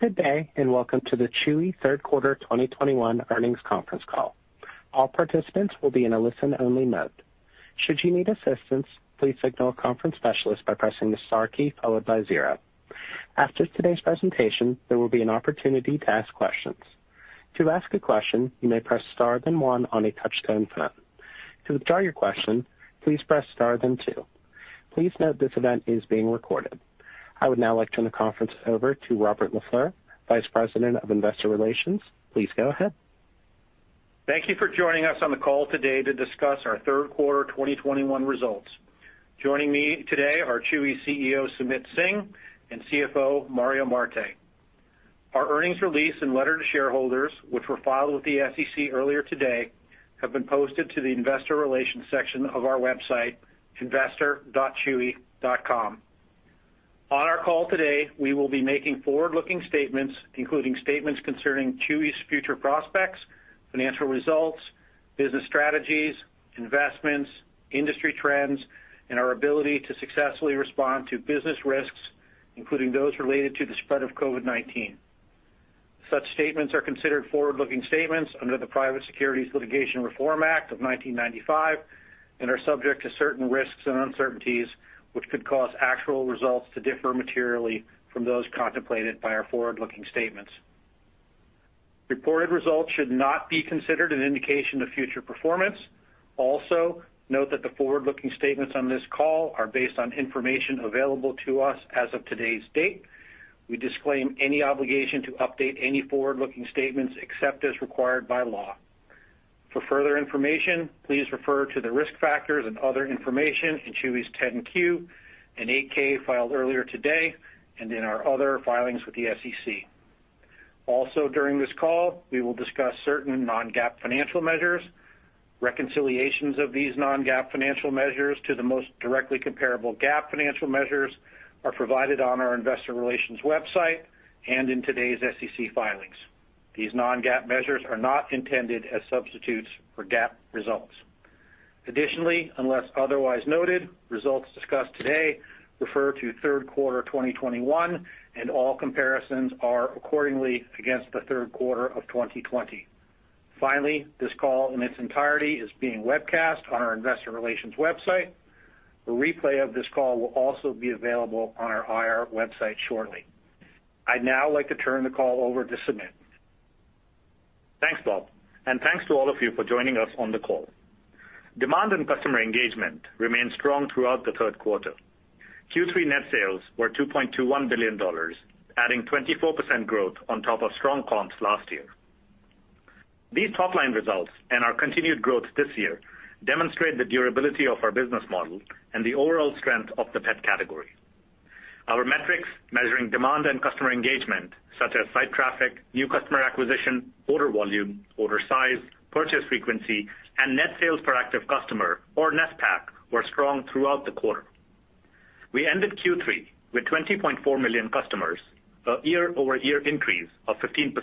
Good day, and welcome to the Chewy third quarter 2021 earnings conference call. All participants will be in a listen-only mode. Should you need assistance, please signal a conference specialist by pressing the star key followed by zero. After today's presentation, there will be an opportunity to ask questions. To ask a question, you may press star then one on a touch-tone phone. To withdraw your question, please press star then two. Please note this event is being recorded. I would now like to turn the conference over to Robert LaFleur, Vice President of Investor Relations. Please go ahead. Thank you for joining us on the call today to discuss our third quarter 2021 results. Joining me today are Chewy CEO, Sumit Singh, and CFO, Mario Marte. Our earnings release and letter to shareholders, which were filed with the SEC earlier today, have been posted to the investor relations section of our website, investor.chewy.com. On our call today, we will be making forward-looking statements, including statements concerning Chewy's future prospects, financial results, business strategies, investments, industry trends, and our ability to successfully respond to business risks, including those related to the spread of COVID-19. Such statements are considered forward-looking statements under the Private Securities Litigation Reform Act of 1995 and are subject to certain risks and uncertainties, which could cause actual results to differ materially from those contemplated by our forward-looking statements. Reported results should not be considered an indication of future performance. Note that the forward-looking statements on this call are based on information available to us as of today's date. We disclaim any obligation to update any forward-looking statements except as required by law. For further information, please refer to the risk factors and other information in Chewy's 10-Q and 8-K filed earlier today and in our other filings with the SEC. Also, during this call, we will discuss certain non-GAAP financial measures. Reconciliations of these non-GAAP financial measures to the most directly comparable GAAP financial measures are provided on our investor relations website and in today's SEC filings. These non-GAAP measures are not intended as substitutes for GAAP results. Additionally, unless otherwise noted, results discussed today refer to third quarter 2021, and all comparisons are accordingly against the third quarter of 2020. Finally, this call in its entirety is being webcast on our investor relations website. A replay of this call will also be available on our IR website shortly. I'd now like to turn the call over to Sumit. Thanks, Rob, and thanks to all of you for joining us on the call. Demand and customer engagement remained strong throughout the third quarter. Q3 net sales were $2.21 billion, adding 24% growth on top of strong comps last year. These top-line results and our continued growth this year demonstrate the durability of our business model and the overall strength of the pet category. Our metrics measuring demand and customer engagement, such as site traffic, new customer acquisition, order volume, order size, purchase frequency, and net sales per active customer or NSPAC, were strong throughout the quarter. We ended Q3 with 20.4 million customers, a year-over-year increase of 15%.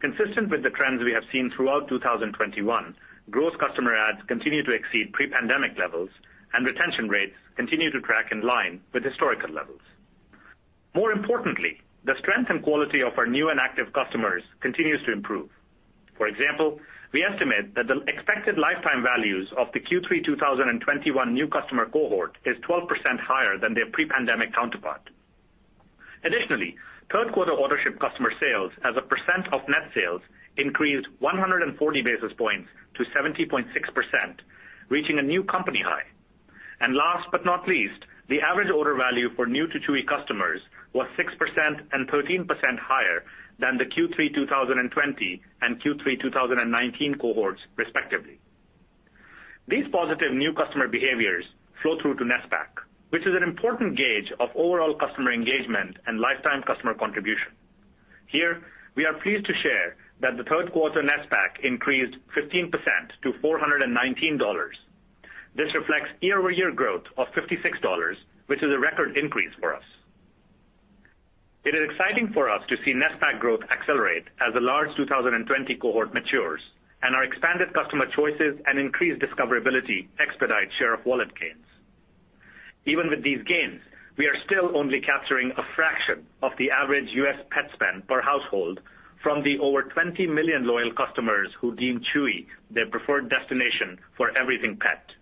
Consistent with the trends we have seen throughout 2021, gross customer adds continue to exceed pre-pandemic levels, and retention rates continue to track in line with historical levels. More importantly, the strength and quality of our new and active customers continues to improve. For example, we estimate that the expected lifetime values of the Q3 2021 new customer cohort is 12% higher than their pre-pandemic counterpart. Additionally, third quarter ordership customer sales as a percent of net sales increased 140 basis points to 70.6%, reaching a new company high. Last but not least, the average order value for new to Chewy customers was 6% and 13% higher than the Q3 2020 and Q3 2019 cohorts, respectively. These positive new customer behaviors flow through to NSPAC, which is an important gauge of overall customer engagement and lifetime customer contribution. Here, we are pleased to share that the third quarter NSPAC increased 15% to $419. This reflects year-over-year growth of $56, which is a record increase for us. It is exciting for us to see NSPAC growth accelerate as the large 2020 cohort matures and our expanded customer choices and increased discoverability expedite share of wallet gains. Even with these gains, we are still only capturing a fraction of the average U.S. pet spend per household from the over 20 million loyal customers who deem Chewy their preferred destination for everything pet.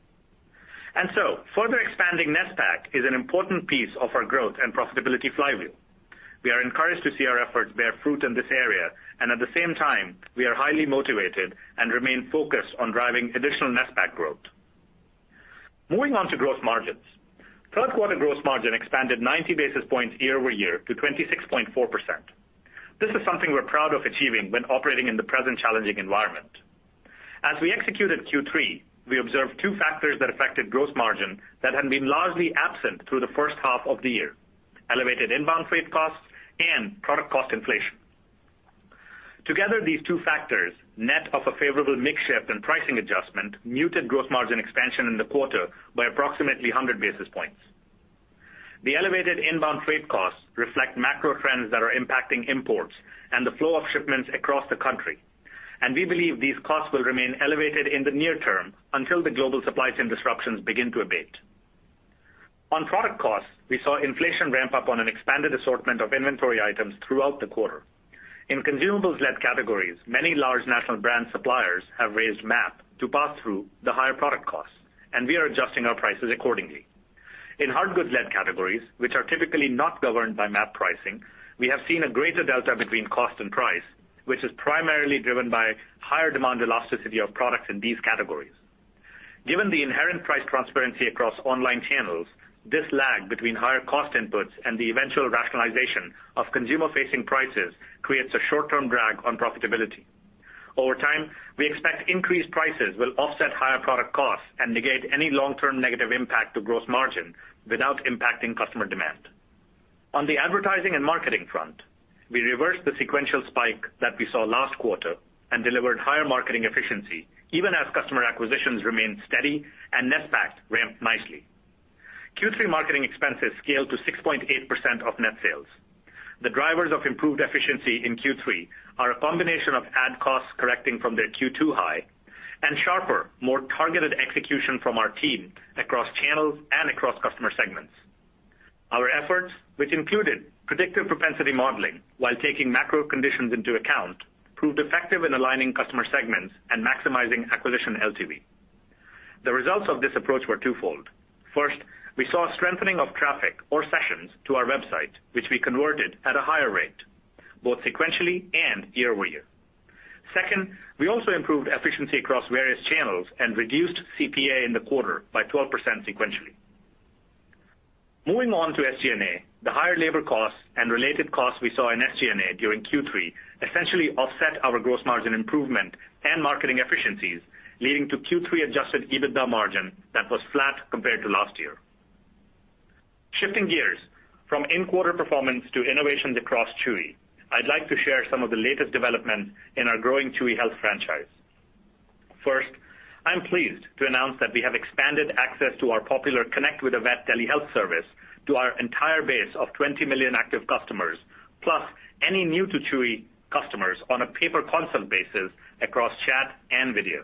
Further expanding NSPAC is an important piece of our growth and profitability flywheel. We are encouraged to see our efforts bear fruit in this area, and at the same time, we are highly motivated and remain focused on driving additional NSPAC growth. Moving on to gross margins. Third quarter gross margin expanded 90 basis points year-over-year to 26.4%. This is something we're proud of achieving when operating in the present challenging environment. As we executed Q3, we observed two factors that affected gross margin that had been largely absent through the first half of the year. Elevated inbound freight costs and product cost inflation. Together, these two factors, net of a favorable mix shift and pricing adjustment, muted gross margin expansion in the quarter by approximately 100 basis points. The elevated inbound freight costs reflect macro trends that are impacting imports and the flow of shipments across the country. We believe these costs will remain elevated in the near term until the global supply chain disruptions begin to abate. On product costs, we saw inflation ramp up on an expanded assortment of inventory items throughout the quarter. In consumables-led categories, many large national brand suppliers have raised MAP to pass through the higher product costs, and we are adjusting our prices accordingly. In hard goods-led categories, which are typically not governed by MAP pricing, we have seen a greater delta between cost and price, which is primarily driven by higher demand elasticity of products in these categories. Given the inherent price transparency across online channels, this lag between higher cost inputs and the eventual rationalization of consumer-facing prices creates a short-term drag on profitability. Over time, we expect increased prices will offset higher product costs and negate any long-term negative impact to gross margin without impacting customer demand. On the advertising and marketing front, we reversed the sequential spike that we saw last quarter and delivered higher marketing efficiency, even as customer acquisitions remained steady and net packs ramped nicely. Q3 marketing expenses scaled to 6.8% of net sales. The drivers of improved efficiency in Q3 are a combination of ad costs correcting from their Q2 high and sharper, more targeted execution from our team across channels and across customer segments. Our efforts, which included predictive propensity modeling while taking macro conditions into account, proved effective in aligning customer segments and maximizing acquisition LTV. The results of this approach were twofold. First, we saw a strengthening of traffic or sessions to our website, which we converted at a higher rate, both sequentially and year-over-year. Second, we also improved efficiency across various channels and reduced CPA in the quarter by 12% sequentially. Moving on to SG&A, the higher labor costs and related costs we saw in SG&A during Q3 essentially offset our gross margin improvement and marketing efficiencies, leading to Q3 adjusted EBITDA margin that was flat compared to last year. Shifting gears from in-quarter performance to innovations across Chewy, I'd like to share some of the latest developments in our growing Chewy Health franchise. First, I'm pleased to announce that we have expanded access to our popular Connect with a Vet telehealth service to our entire base of 20 million active customers, plus any new to Chewy customers on a pay-per-consult basis across chat and video.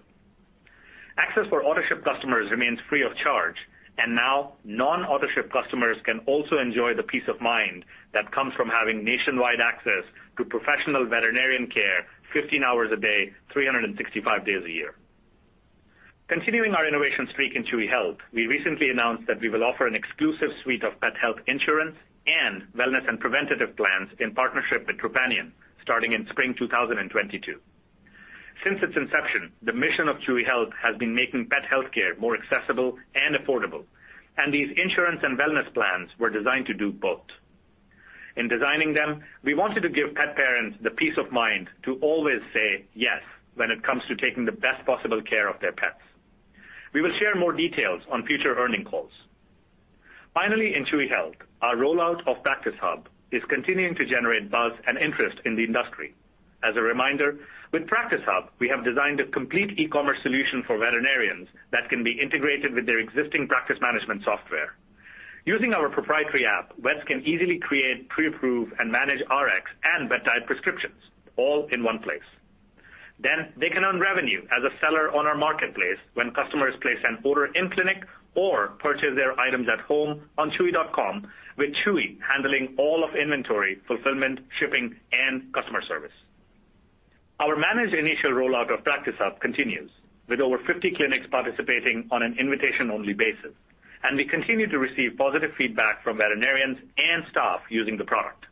Access for Autoship customers remains free of charge, and now non-Autoship customers can also enjoy the peace of mind that comes from having nationwide access to professional veterinarian care 15 hours a day, 365 days a year. Continuing our innovation streak in Chewy Health, we recently announced that we will offer an exclusive suite of pet health insurance and wellness and preventative plans in partnership with Trupanion starting in spring 2022. Since its inception, the mission of Chewy Health has been making pet healthcare more accessible and affordable, and these insurance and wellness plans were designed to do both. In designing them, we wanted to give pet parents the peace of mind to always say yes when it comes to taking the best possible care of their pets. We will share more details on future earnings calls. Finally, in Chewy Health, our rollout of Practice Hub is continuing to generate buzz and interest in the industry. As a reminder, with Practice Hub, we have designed a complete e-commerce solution for veterinarians that can be integrated with their existing practice management software. Using our proprietary app, vets can easily create, pre-approve, and manage RX and vet diet prescriptions, all in one place. They can earn revenue as a seller on our marketplace when customers place an order in clinic or purchase their items at home on chewy.com, with Chewy handling all of inventory, fulfillment, shipping, and customer service. Our managed initial rollout of Practice Hub continues, with over 50 clinics participating on an invitation-only basis. We continue to receive positive feedback from veterinarians and staff using the product.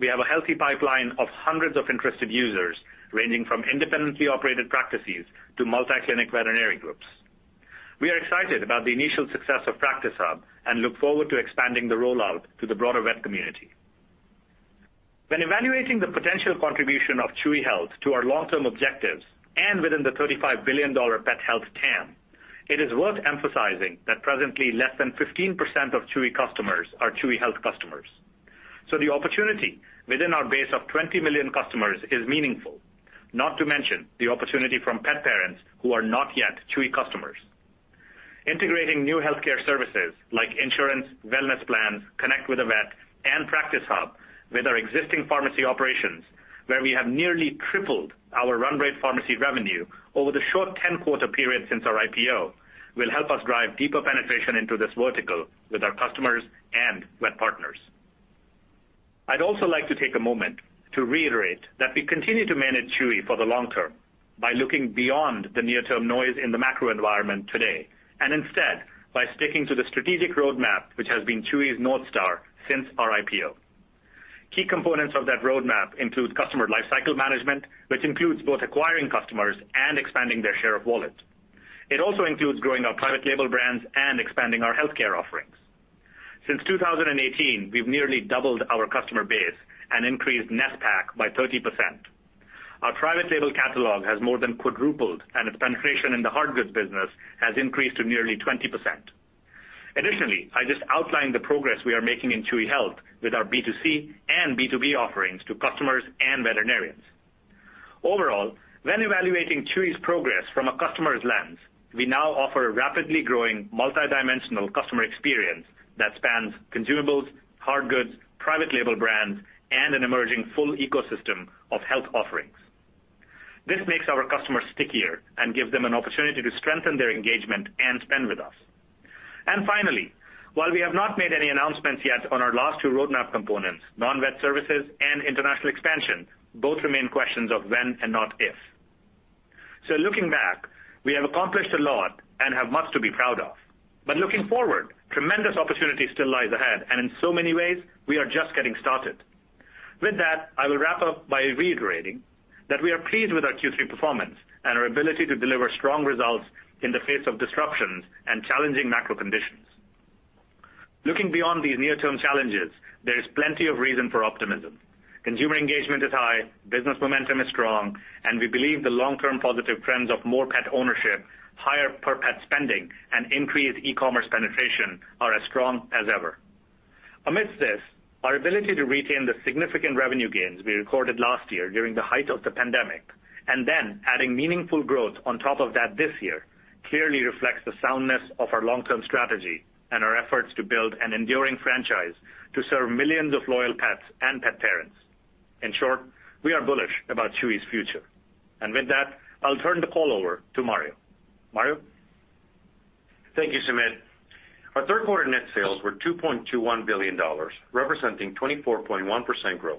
We have a healthy pipeline of hundreds of interested users, ranging from independently operated practices to multi-clinic veterinary groups. We are excited about the initial success of Practice Hub and look forward to expanding the rollout to the broader vet community. When evaluating the potential contribution of Chewy Health to our long-term objectives and within the $35 billion pet health TAM, it is worth emphasizing that presently less than 15% of Chewy customers are Chewy Health customers. The opportunity within our base of 20 million customers is meaningful, not to mention the opportunity from pet parents who are not yet Chewy customers. Integrating new healthcare services like insurance, wellness plans, Connect with a Vet, and Practice Hub with our existing pharmacy operations, where we have nearly tripled our run rate pharmacy revenue over the short 10-quarter period since our IPO, will help us drive deeper penetration into this vertical with our customers and vet partners. I'd also like to take a moment to reiterate that we continue to manage Chewy for the long term by looking beyond the near-term noise in the macro environment today, and instead by sticking to the strategic roadmap, which has been Chewy's North Star since our IPO. Key components of that roadmap include customer lifecycle management, which includes both acquiring customers and expanding their share of wallet. It also includes growing our private label brands and expanding our healthcare offerings. Since 2018, we've nearly doubled our customer base and increased NSPAC by 30%. Our private label catalog has more than quadrupled, and its penetration in the hard goods business has increased to nearly 20%. Additionally, I just outlined the progress we are making in Chewy Health with our B2C and B2B offerings to customers and veterinarians. Overall, when evaluating Chewy's progress from a customer's lens, we now offer a rapidly growing multidimensional customer experience that spans consumables, hard goods, private label brands, and an emerging full ecosystem of health offerings. This makes our customers stickier and gives them an opportunity to strengthen their engagement and spend with us. Finally, while we have not made any announcements yet on our last two roadmap components, non-vet services and international expansion, both remain questions of when and not if. Looking back, we have accomplished a lot and have much to be proud of. Looking forward, tremendous opportunity still lies ahead, and in so many ways, we are just getting started. With that, I will wrap up by reiterating that we are pleased with our Q3 performance and our ability to deliver strong results in the face of disruptions and challenging macro conditions. Looking beyond these near-term challenges, there is plenty of reason for optimism. Consumer engagement is high, business momentum is strong, and we believe the long-term positive trends of more pet ownership, higher per pet spending, and increased e-commerce penetration are as strong as ever. Amidst this, our ability to retain the significant revenue gains we recorded last year during the height of the pandemic, and then adding meaningful growth on top of that this year, clearly reflects the soundness of our long-term strategy and our efforts to build an enduring franchise to serve millions of loyal pets and pet parents. In short, we are bullish about Chewy's future. With that, I'll turn the call over to Mario. Mario? Thank you, Sumit. Our third quarter net sales were $2.21 billion, representing 24.1% growth.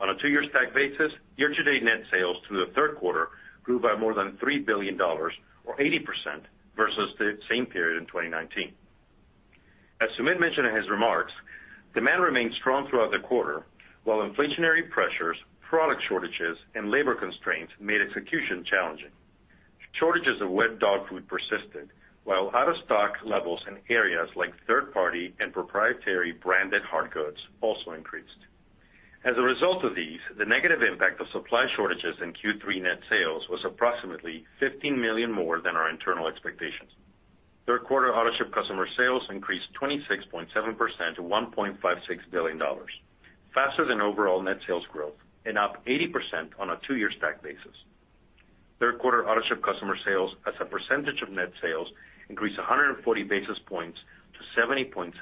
On a two-year stack basis, year-to-date net sales through the third quarter grew by more than $3 billion or 80% versus the same period in 2019. As Sumit mentioned in his remarks, demand remained strong throughout the quarter, while inflationary pressures, product shortages, and labor constraints made execution challenging. Shortages of wet dog food persisted, while out-of-stock levels in areas like third-party and proprietary branded hard goods also increased. As a result of these, the negative impact of supply shortages in Q3 net sales was approximately $15 million more than our internal expectations. Third quarter Autoship customer sales increased 26.7% to $1.56 billion, faster than overall net sales growth and up 80% on a two-year stack basis. Third quarter Autoship customer sales as a percentage of net sales increased 140 basis points to 70.6%.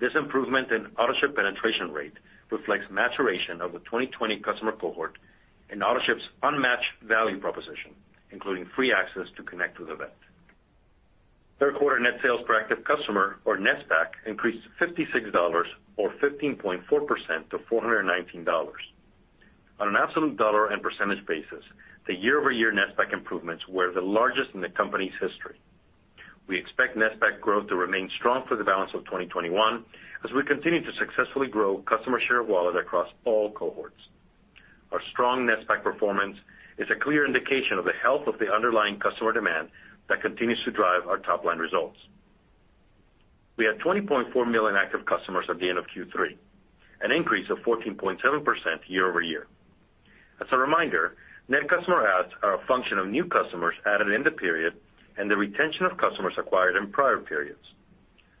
This improvement in Autoship penetration rate reflects maturation of the 2020 customer cohort and Autoship's unmatched value proposition, including free access to Connect with a Vet. Third quarter net sales per active customer, or NSPAC, increased $56 or 15.4% to $419. On an absolute dollar and percentage basis, the year-over-year NSPAC improvements were the largest in the company's history. We expect NSPAC growth to remain strong for the balance of 2021 as we continue to successfully grow customer share of wallet across all cohorts. Our strong NSPAC performance is a clear indication of the health of the underlying customer demand that continues to drive our top-line results. We had 20.4 million active customers at the end of Q3, an increase of 14.7% year-over-year. As a reminder, net customer adds are a function of new customers added in the period and the retention of customers acquired in prior periods.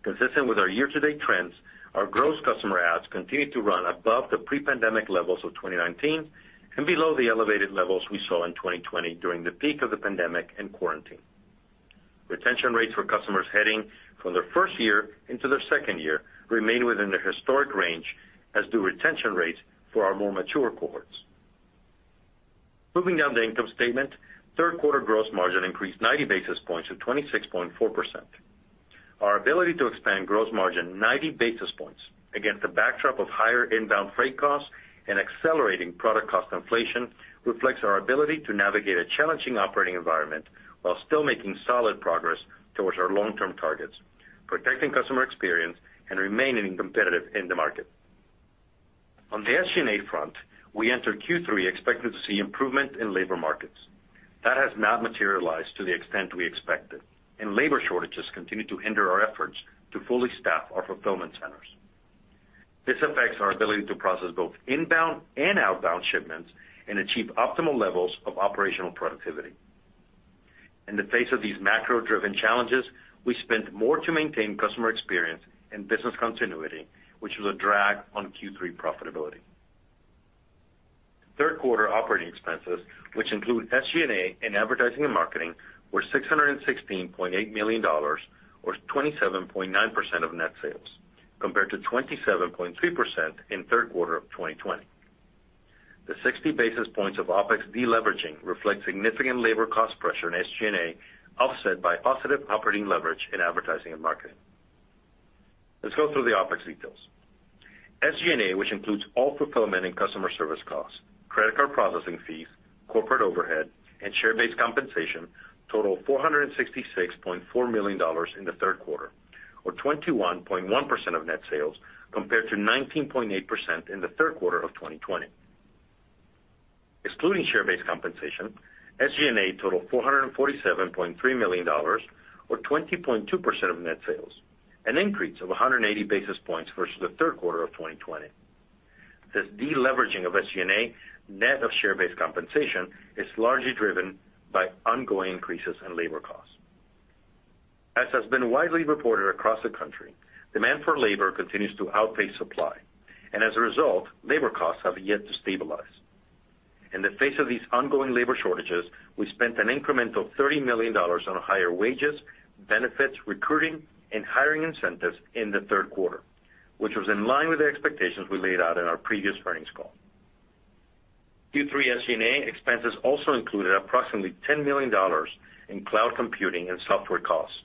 Consistent with our year-to-date trends, our gross customer adds continued to run above the pre-pandemic levels of 2019 and below the elevated levels we saw in 2020 during the peak of the pandemic and quarantine. Retention rates for customers heading from their first year into their second year remain within their historic range, as do retention rates for our more mature cohorts. Moving down the income statement, third quarter gross margin increased 90 basis points to 26.4%. Our ability to expand gross margin 90 basis points against a backdrop of higher inbound freight costs and accelerating product cost inflation reflects our ability to navigate a challenging operating environment while still making solid progress towards our long-term targets, protecting customer experience, and remaining competitive in the market. On the SG&A front, we entered Q3 expected to see improvement in labor markets. That has not materialized to the extent we expected, and labor shortages continue to hinder our efforts to fully staff our fulfillment centers. This affects our ability to process both inbound and outbound shipments and achieve optimal levels of operational productivity. In the face of these macro-driven challenges, we spent more to maintain customer experience and business continuity, which was a drag on Q3 profitability. Third quarter operating expenses, which include SG&A and advertising and marketing, were $616.8 million or 27.9% of net sales, compared to 27.3% in third quarter of 2020. The 60 basis points of OpEx deleveraging reflects significant labor cost pressure in SG&A, offset by positive operating leverage in advertising and marketing. Let's go through the OpEx details. SG&A, which includes all fulfillment and customer service costs, credit card processing fees, corporate overhead, and share-based compensation, totaled $466.4 million in the third quarter or 21.1% of net sales, compared to 19.8% in the third quarter of 2020. Excluding share-based compensation, SG&A totaled $447.3 million or 20.2% of net sales, an increase of 180 basis points versus the third quarter of 2020. This deleveraging of SG&A, net of share-based compensation, is largely driven by ongoing increases in labor costs. As has been widely reported across the country, demand for labor continues to outpace supply, and as a result, labor costs have yet to stabilize. In the face of these ongoing labor shortages, we spent an incremental $30 million on higher wages, benefits, recruiting, and hiring incentives in the third quarter, which was in line with the expectations we laid out in our previous earnings call. Q3 SG&A expenses also included approximately $10 million in cloud computing and software costs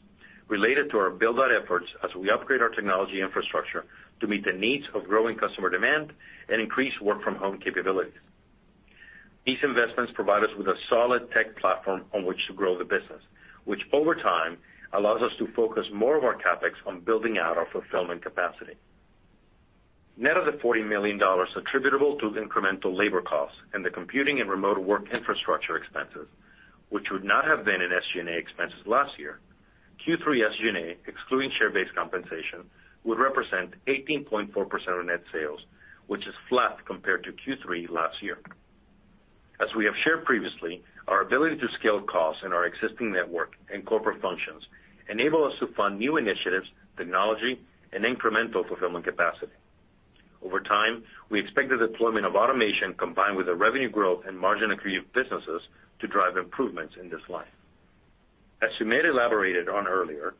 related to our build-out efforts as we upgrade our technology infrastructure to meet the needs of growing customer demand and increase work from home capabilities. These investments provide us with a solid tech platform on which to grow the business, which over time allows us to focus more of our CapEx on building out our fulfillment capacity. Net of the $40 million attributable to incremental labor costs and the computing and remote work infrastructure expenses, which would not have been in SG&A expenses last year, Q3 SG&A, excluding share-based compensation, would represent 18.4% of net sales, which is flat compared to Q3 last year. As we have shared previously, our ability to scale costs in our existing network and corporate functions enable us to fund new initiatives, technology, and incremental fulfillment capacity. Over time, we expect the deployment of automation combined with the revenue growth and margin accretive businesses to drive improvements in this line. As Sumit elaborated on earlier,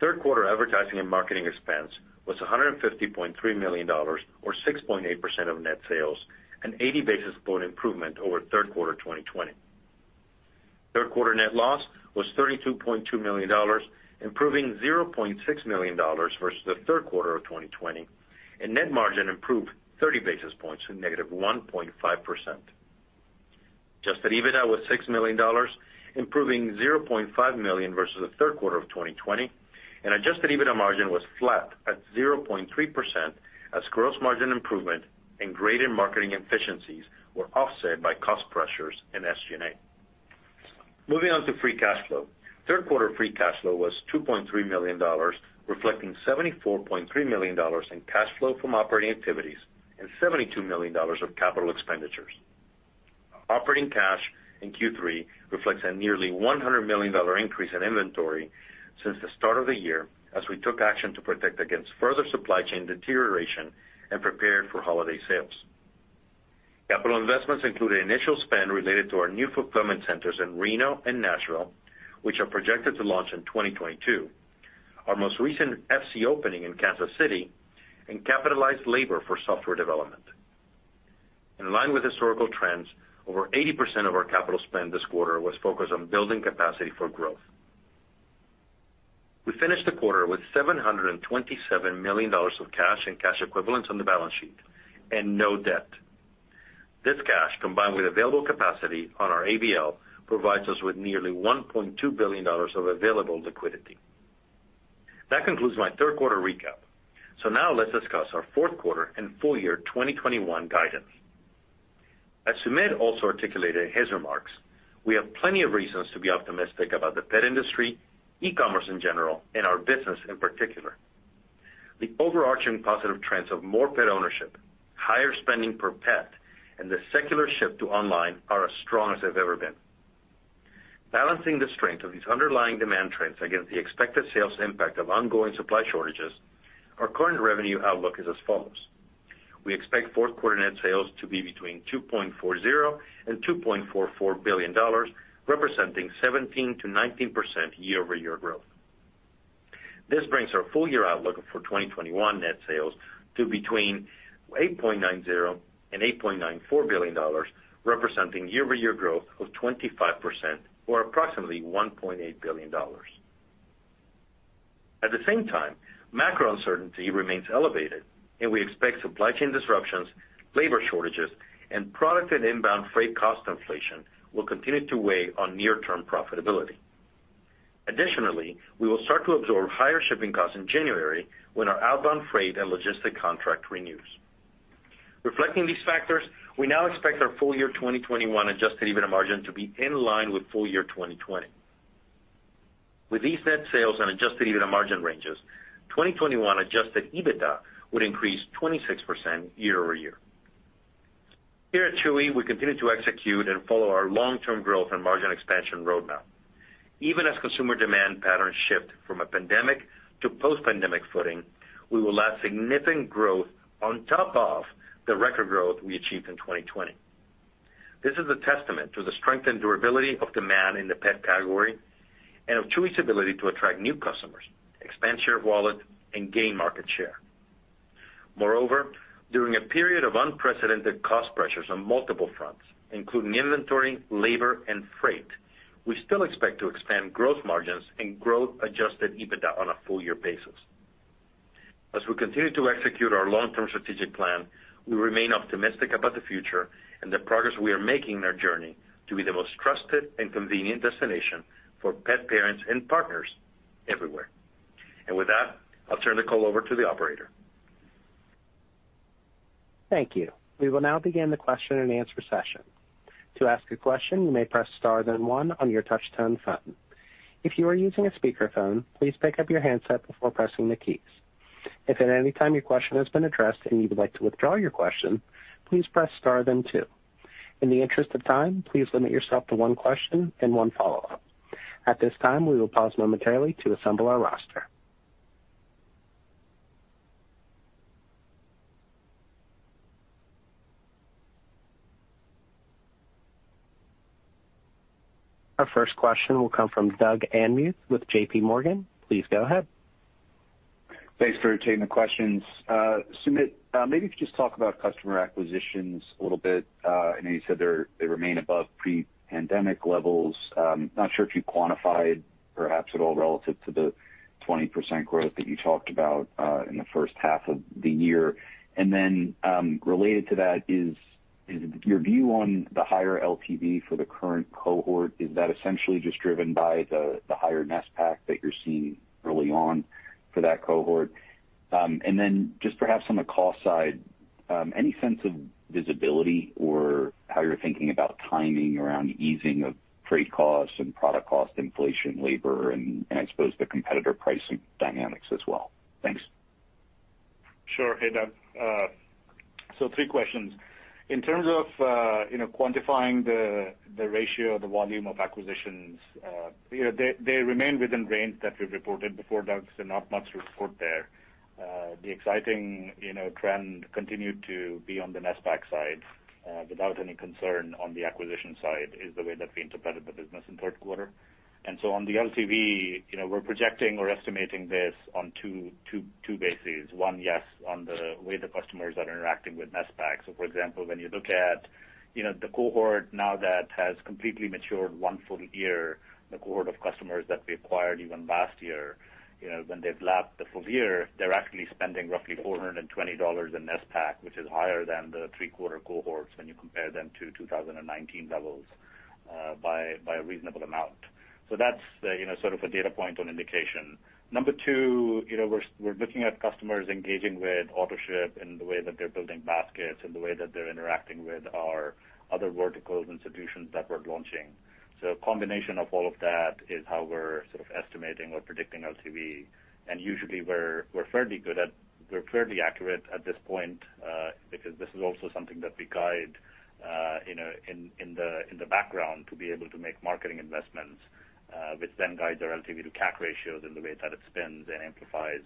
third quarter advertising and marketing expense was $150.3 million or 6.8% of net sales, an 80 basis point improvement over third quarter 2020. Third quarter net loss was $32.2 million, improving $0.6 million versus the third quarter of 2020, and net margin improved 30 basis points to -1.5%. Adjusted EBITDA was $6 million, improving $0.5 million versus the third quarter of 2020, and adjusted EBITDA margin was flat at 0.3% as gross margin improvement and greater marketing efficiencies were offset by cost pressures in SG&A. Moving on to free cash flow. Third quarter free cash flow was $2.3 million, reflecting $74.3 million in cash flow from operating activities and $72 million of capital expenditures. Operating cash in Q3 reflects a nearly $100 million increase in inventory since the start of the year as we took action to protect against further supply chain deterioration and prepared for holiday sales. Capital investments include an initial spend related to our new fulfillment centers in Reno and Nashville, which are projected to launch in 2022. Our most recent FC opening in Kansas City and capitalized labor for software development. In line with historical trends, over 80% of our capital spend this quarter was focused on building capacity for growth. We finished the quarter with $727 million of cash and cash equivalents on the balance sheet and no debt. This cash, combined with available capacity on our ABL, provides us with nearly $1.2 billion of available liquidity. That concludes my third quarter recap. Now let's discuss our fourth quarter and full year 2021 guidance. As Sumit also articulated his remarks, we have plenty of reasons to be optimistic about the pet industry, e-commerce in general, and our business in particular. The overarching positive trends of more pet ownership, higher spending per pet, and the secular shift to online are as strong as they've ever been. Balancing the strength of these underlying demand trends against the expected sales impact of ongoing supply shortages, our current revenue outlook is as follows. We expect fourth quarter net sales to be between $2.40 billion and $2.44 billion, representing 17%-19% year-over-year growth. This brings our full-year outlook for 2021 net sales to between $8.90 billion and $8.94 billion, representing year-over-year growth of 25% or approximately $1.8 billion. At the same time, macro uncertainty remains elevated, and we expect supply chain disruptions, labor shortages, and product and inbound freight cost inflation will continue to weigh on near-term profitability. Additionally, we will start to absorb higher shipping costs in January when our outbound freight and logistics contract renews. Reflecting these factors, we now expect our full year 2021 adjusted EBITDA margin to be in line with full year 2020. With these net sales and adjusted EBITDA margin ranges, 2021 adjusted EBITDA would increase 26% year-over-year. Here at Chewy, we continue to execute and follow our long-term growth and margin expansion roadmap. Even as consumer demand patterns shift from a pandemic to post-pandemic footing, we will allow significant growth on top of the record growth we achieved in 2020. This is a testament to the strength and durability of demand in the pet category and of Chewy's ability to attract new customers, expand share wallet, and gain market share. Moreover, during a period of unprecedented cost pressures on multiple fronts, including inventory, labor, and freight, we still expect to expand growth margins and growth adjusted EBITDA on a full year basis. As we continue to execute our long-term strategic plan, we remain optimistic about the future and the progress we are making in our journey to be the most trusted and convenient destination for pet parents and partners everywhere. With that, I'll turn the call over to the operator. Thank you. We will now begin the question and answer session. To ask a question, you may press star then one on your touchtone phone. If you are using a speakerphone, please pick up your handset before pressing the keys. If at any time your question has been addressed and you would like to withdraw your question, please press star then two. In the interest of time, please limit yourself to one question and one follow-up. At this time, we will pause momentarily to assemble our roster. Our first question will come from Doug Anmuth with JPMorgan. Please go ahead. Thanks for taking the questions. Sumit, maybe if you could just talk about customer acquisitions a little bit. I know you said they remain above pre-pandemic levels. Not sure if you quantified perhaps at all relative to the 20% growth that you talked about in the first half of the year. Related to that is your view on the higher LTV for the current cohort, is that essentially just driven by the higher NSPAC that you're seeing early on for that cohort? Just perhaps on the cost side, any sense of visibility or how you're thinking about timing around easing of freight costs and product cost inflation, labor, and I suppose the competitor pricing dynamics as well? Thanks. Sure. Hey, Doug. So three questions. In terms of, you know, quantifying the ratio of the volume of acquisitions, you know, they remain within range that we've reported before, Doug, so not much to report there. The exciting, you know, trend continued to be on the NSPAC side, without any concern on the acquisition side, is the way that we interpreted the business in third quarter. On the LTV, you know, we're projecting or estimating this on two bases. One, yes, on the way the customers are interacting with NSPAC. For example, when you look at, you know, the cohort now that has completely matured one full year, the cohort of customers that we acquired even last year, you know, when they've lapped the full year, they're actually spending roughly $420 in NSPAC, which is higher than the three-quarter cohorts when you compare them to 2019 levels, by a reasonable amount. That's, you know, sort of a data point on indication. Number two, you know, we're looking at customers engaging with Autoship and the way that they're building baskets and the way that they're interacting with our other verticals and solutions that we're launching. A combination of all of that is how we're sort of estimating or predicting LTV. Usually, we're fairly accurate at this point, because this is also something that we guide, you know, in the background to be able to make marketing investments, which then guides our LTV to CAC ratios and the way that it spends and amplifies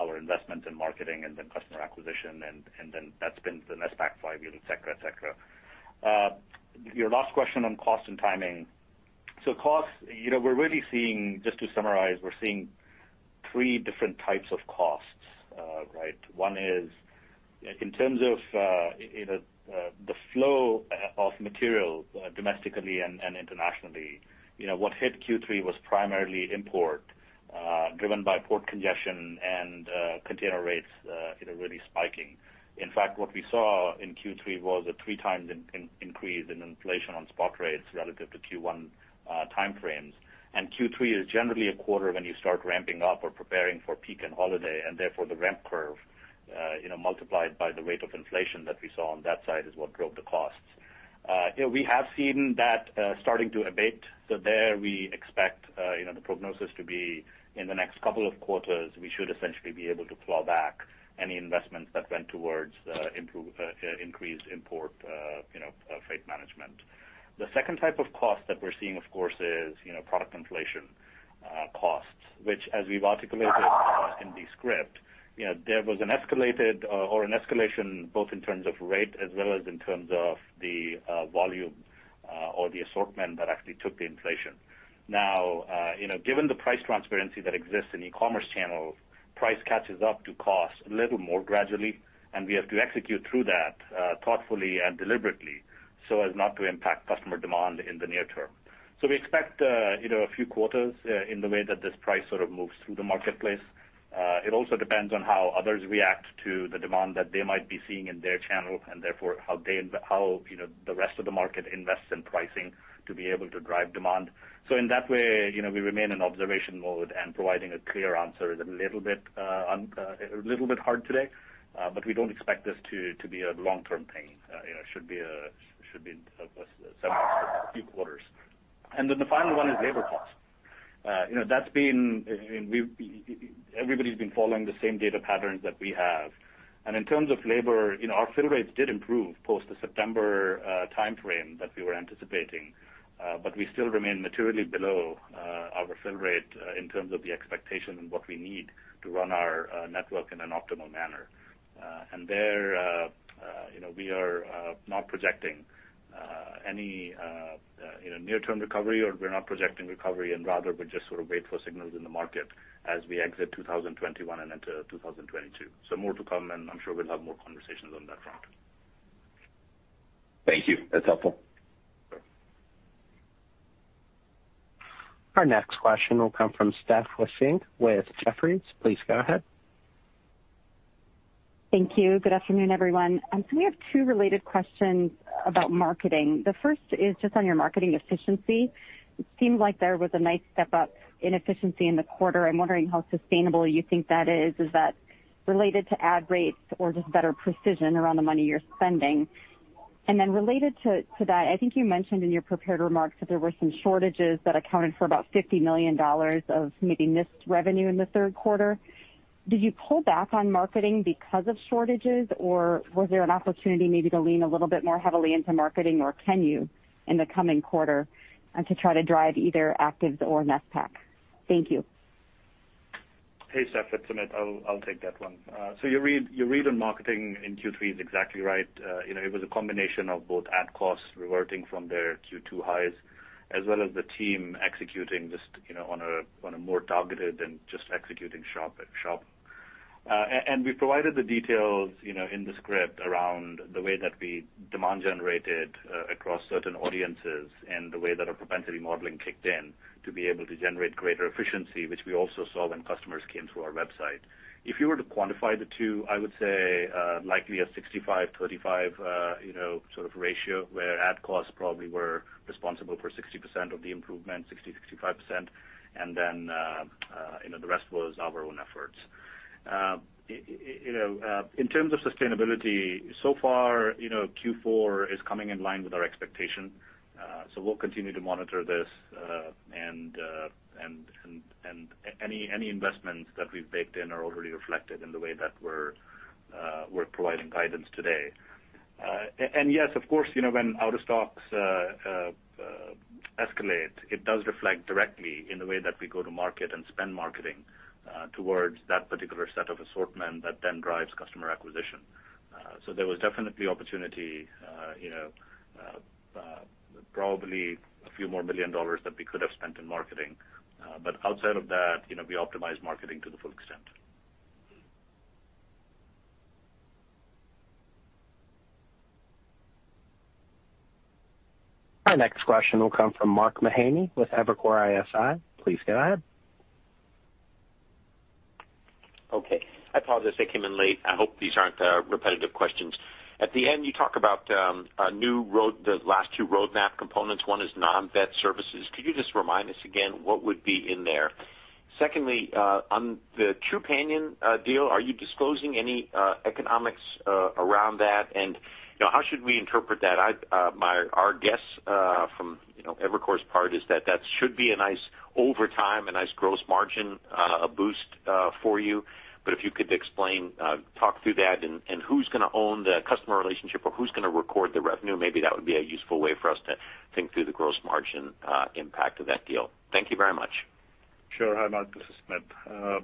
our investments in marketing and then customer acquisition, and then that spends the NSPAC five-year, et cetera, et cetera. Your last question on cost and timing. Cost, you know, we're really seeing, just to summarize, we're seeing three different types of costs, right? One is in terms of, you know, the flow of material, domestically and internationally. You know, what hit Q3 was primarily import driven by port congestion and container rates, you know, really spiking. In fact, what we saw in Q3 was a three times increase in inflation on spot rates relative to Q1 time frames. Q3 is generally 1/4 when you start ramping up or preparing for peak and holiday, and therefore the ramp curve, you know, multiplied by the rate of inflation that we saw on that side is what drove the costs. We have seen that starting to abate. There we expect the prognosis to be in the next couple of quarters. We should essentially be able to claw back any investments that went towards increased import freight management. The second type of cost that we're seeing, of course, is, you know, product inflation costs, which as we've articulated in the script, you know, there was an escalation both in terms of rate as well as in terms of the volume or the assortment that actually took the inflation. Now, you know, given the price transparency that exists in e-commerce channels, price catches up to cost a little more gradually, and we have to execute through that, thoughtfully and deliberately so as not to impact customer demand in the near term. We expect, you know, a few quarters in the way that this price sort of moves through the marketplace. It also depends on how others react to the demand that they might be seeing in their channel, and therefore how, you know, the rest of the market invests in pricing to be able to drive demand. In that way, you know, we remain in observation mode, and providing a clear answer is a little bit hard today. We don't expect this to be a long-term pain. It should be a few quarters. Then the final one is labor costs. That's been, everybody's been following the same data patterns that we have. In terms of labor, you know, our fill rates did improve post the September time frame that we were anticipating. We still remain materially below our fill rate in terms of the expectation and what we need to run our network in an optimal manner. You know, we are not projecting any, you know, near-term recovery, or we're not projecting recovery, and rather we just sort of wait for signals in the market as we exit 2021 and enter 2022. More to come, and I'm sure we'll have more conversations on that front. Thank you. That's helpful. Our next question will come from Stephanie Wissink with Jefferies. Please go ahead. Thank you. Good afternoon, everyone. We have two related questions about marketing. The first is just on your marketing efficiency. It seemed like there was a nice step up in efficiency in the quarter. I'm wondering how sustainable you think that is. Is that related to ad rates or just better precision around the money you're spending? Then related to that, I think you mentioned in your prepared remarks that there were some shortages that accounted for about $50 million of maybe missed revenue in the third quarter. Did you pull back on marketing because of shortages, or was there an opportunity maybe to lean a little bit more heavily into marketing, or can you in the coming quarter to try to drive either actives or NSPAC? Thank you. Hey, Seth, it's Sumit. I'll take that one. So you read on marketing in Q3 is exactly right. You know, it was a combination of both ad costs reverting from their Q2 highs, as well as the team executing just, you know, on a more targeted and just executing shop. We provided the details, you know, in the script around the way that we generated demand across certain audiences and the way that our propensity modeling kicked in to be able to generate greater efficiency, which we also saw when customers came to our website. If you were to quantify the two, I would say likely a 65-35, you know, sort of ratio where ad costs probably were responsible for 60% of the improvement, 60%-65%, and then, you know, the rest was our own efforts. You know, in terms of sustainability, so far, you know, Q4 is coming in line with our expectation. So we'll continue to monitor this, and any investments that we've baked in are already reflected in the way that we're providing guidance today. And yes, of course, you know, when out-of-stocks escalate, it does reflect directly in the way that we go to market and spend on marketing towards that particular set of assortment that then drives customer acquisition. There was definitely opportunity, you know, probably a few more $ million that we could have spent in marketing. Outside of that, you know, we optimize marketing to the full extent. Our next question will come from Mark Mahaney with Evercore ISI. Please go ahead. Okay. I apologize I came in late. I hope these aren't repetitive questions. At the end, you talk about the last two roadmap components. One is non-vet services. Could you just remind us again what would be in there? Secondly, on the Trupanion deal, are you disclosing any economics around that? You know, how should we interpret that? Our guess from you know, Evercore's part is that that should be a nice over time, a nice gross margin boost for you. But if you could explain, talk through that and who's gonna own the customer relationship or who's gonna record the revenue, maybe that would be a useful way for us to think through the gross margin impact of that deal. Thank you very much. Sure. Hi, Mark, this is Sumit.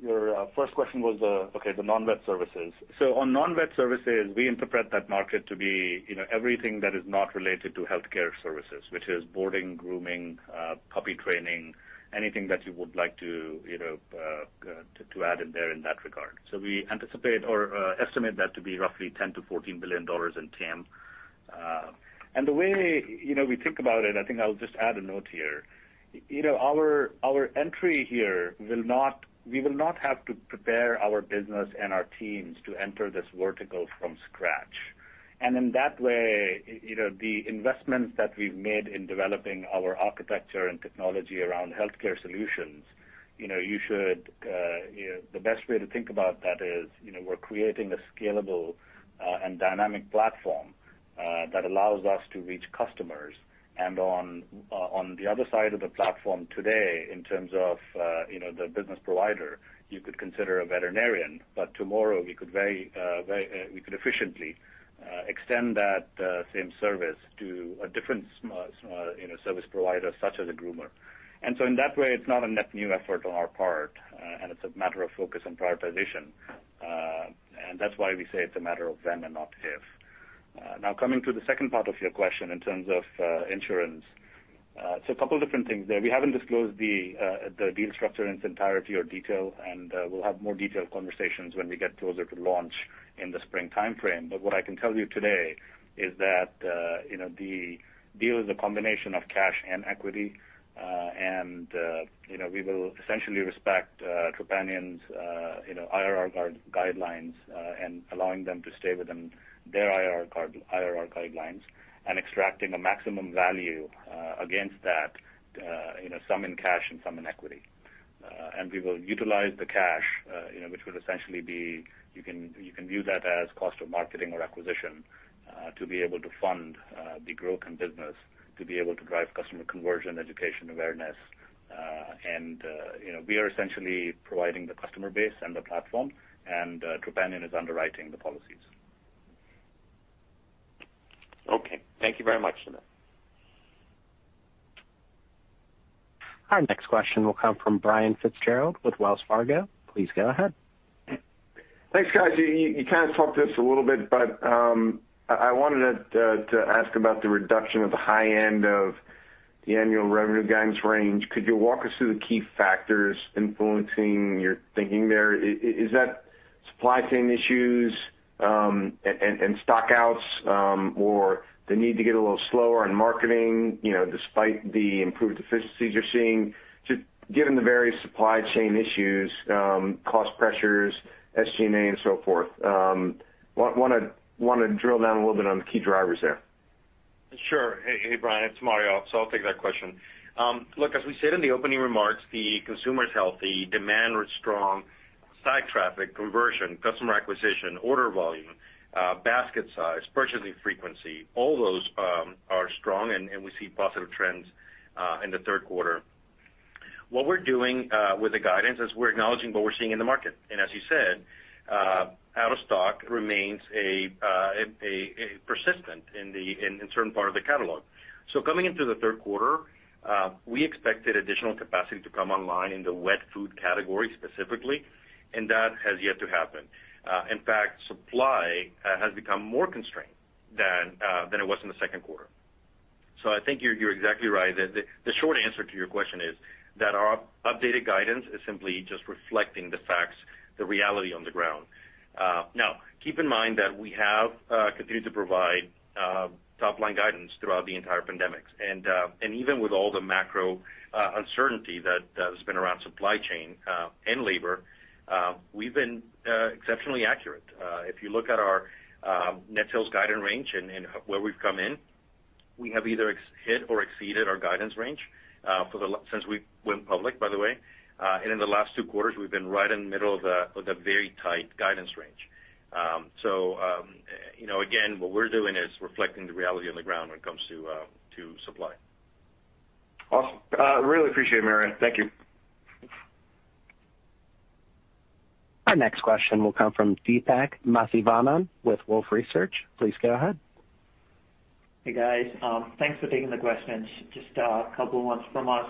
Your first question was okay, the non-vet services. On non-vet services, we interpret that market to be, you know, everything that is not related to healthcare services, which is boarding, grooming, puppy training, anything that you would like to, you know, to add in there in that regard. We anticipate or estimate that to be roughly $10 billion-$14 billion in TAM. The way, you know, we think about it, I think I'll just add a note here. You know, our entry here will not—we will not have to prepare our business and our teams to enter this vertical from scratch. In that way, you know, the investments that we've made in developing our architecture and technology around healthcare solutions, you know, you should, you know... The best way to think about that is, you know, we're creating a scalable and dynamic platform that allows us to reach customers. On the other side of the platform today, in terms of, you know, the business provider, you could consider a veterinarian, but tomorrow we could very efficiently extend that same service to a different service provider such as a groomer. In that way, it's not a net new effort on our part, and it's a matter of focus and prioritization. That's why we say it's a matter of when and not if. Now coming to the second part of your question in terms of insurance. A couple different things there. We haven't disclosed the deal structure in its entirety or detail, and we'll have more detailed conversations when we get closer to launch in the spring timeframe. What I can tell you today is that you know, the deal is a combination of cash and equity, you know, we will essentially respect Trupanion's you know, IRR guardrails, and allowing them to stay within their IRR guardrails and extracting a maximum value against that you know, some in cash and some in equity. We will utilize the cash you know, which will essentially be, you can view that as cost of marketing or acquisition to be able to fund the growth in business, to be able to drive customer conversion, education, awareness. You know, we are essentially providing the customer base and the platform, and Trupanion is underwriting the policies. Okay. Thank you very much, Sumit. Our next question will come from Brian Fitzgerald with Wells Fargo. Please go ahead. Thanks, guys. You kind of talked to this a little bit, but I wanted to ask about the reduction of the high end of the annual revenue guidance range. Could you walk us through the key factors influencing your thinking there? Is that supply chain issues and stock-outs, or the need to get a little slower on marketing, you know, despite the improved efficiencies you're seeing, just given the various supply chain issues, cost pressures, SG&A and so forth? Want to drill down a little bit on the key drivers there. Sure. Hey, Brian, it's Mario. I'll take that question. Look, as we said in the opening remarks, the consumer is healthy, demand was strong, site traffic, conversion, customer acquisition, order volume, basket size, purchasing frequency, all those are strong, and we see positive trends in the third quarter. What we're doing with the guidance is we're acknowledging what we're seeing in the market. As you said, out of stock remains a persistent issue in certain parts of the catalog. Coming into the third quarter, we expected additional capacity to come online in the wet food category specifically, and that has yet to happen. In fact, supply has become more constrained than it was in the second quarter. I think you're exactly right. The short answer to your question is that our updated guidance is simply just reflecting the facts, the reality on the ground. Now, keep in mind that we have continued to provide top line guidance throughout the entire pandemic. Even with all the macro uncertainty that has been around supply chain and labor, we've been exceptionally accurate. If you look at our net sales guidance range and where we've come in, we have either hit or exceeded our guidance range since we went public, by the way. In the last two quarters, we've been right in the middle of the very tight guidance range. You know, again, what we're doing is reflecting the reality on the ground when it comes to supply. Awesome. Really appreciate it, Mario. Thank you. Our next question will come from Deepak Mathivanan with Wolfe Research. Please go ahead. Hey, guys. Thanks for taking the questions. Just a couple ones from us.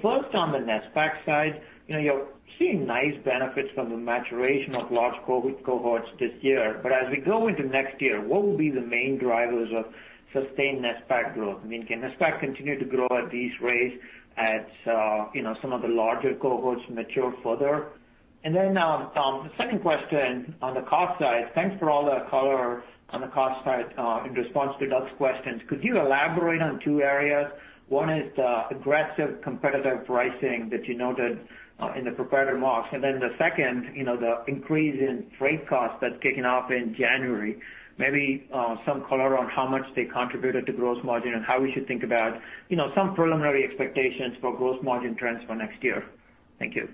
First on the NSPAC side, you know, you're seeing nice benefits from the maturation of large cohorts this year. As we go into next year, what will be the main drivers of sustained NSPAC growth? I mean, can NSPAC continue to grow at these rates as you know, some of the larger cohorts mature further? The second question on the cost side, thanks for all the color on the cost side in response to Doug's questions. Could you elaborate on two areas? One is aggressive competitive pricing that you noted in the prepared remarks. The second, you know, the increase in freight costs that's kicking off in January, maybe, some color on how much they contributed to gross margin and how we should think about, you know, some preliminary expectations for gross margin trends for next year. Thank you.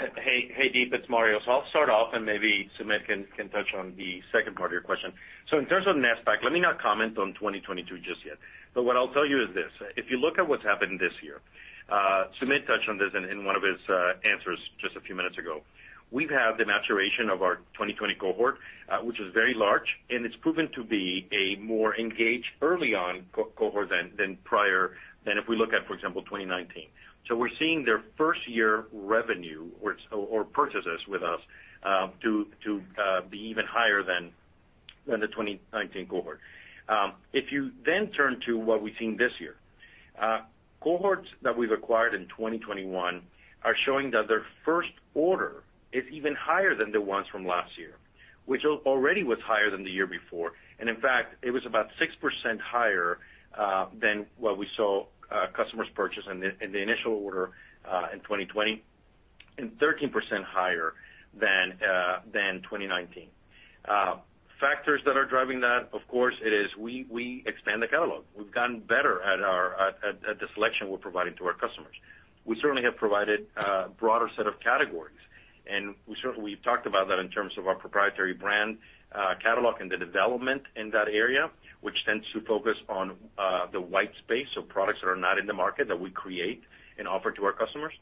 Yeah. Hey, Deep, it's Mario. I'll start off, and maybe Sumit can touch on the second part of your question. In terms of NSPAC, let me not comment on 2022 just yet. What I'll tell you is this, if you look at what's happened this year, Sumit touched on this in one of his answers just a few minutes ago. We've had the maturation of our 2020 cohort, which is very large, and it's proven to be a more engaged early-on cohort than prior, than if we look at, for example, 2019. We're seeing their first year revenue or purchases with us to be even higher than the 2019 cohort. If you turn to what we've seen this year, cohorts that we've acquired in 2021 are showing that their first order is even higher than the ones from last year, which already was higher than the year before. In fact, it was about 6% higher than what we saw customers purchase in the initial order in 2020, and 13% higher than 2019. Factors that are driving that, of course, it is we expand the catalog. We've gotten better at our at the selection we're providing to our customers. We certainly have provided a broader set of categories, and we certainly talked about that in terms of our proprietary brand catalog and the development in that area, which tends to focus on the white space of products that are not in the market that we create and offer to our customers.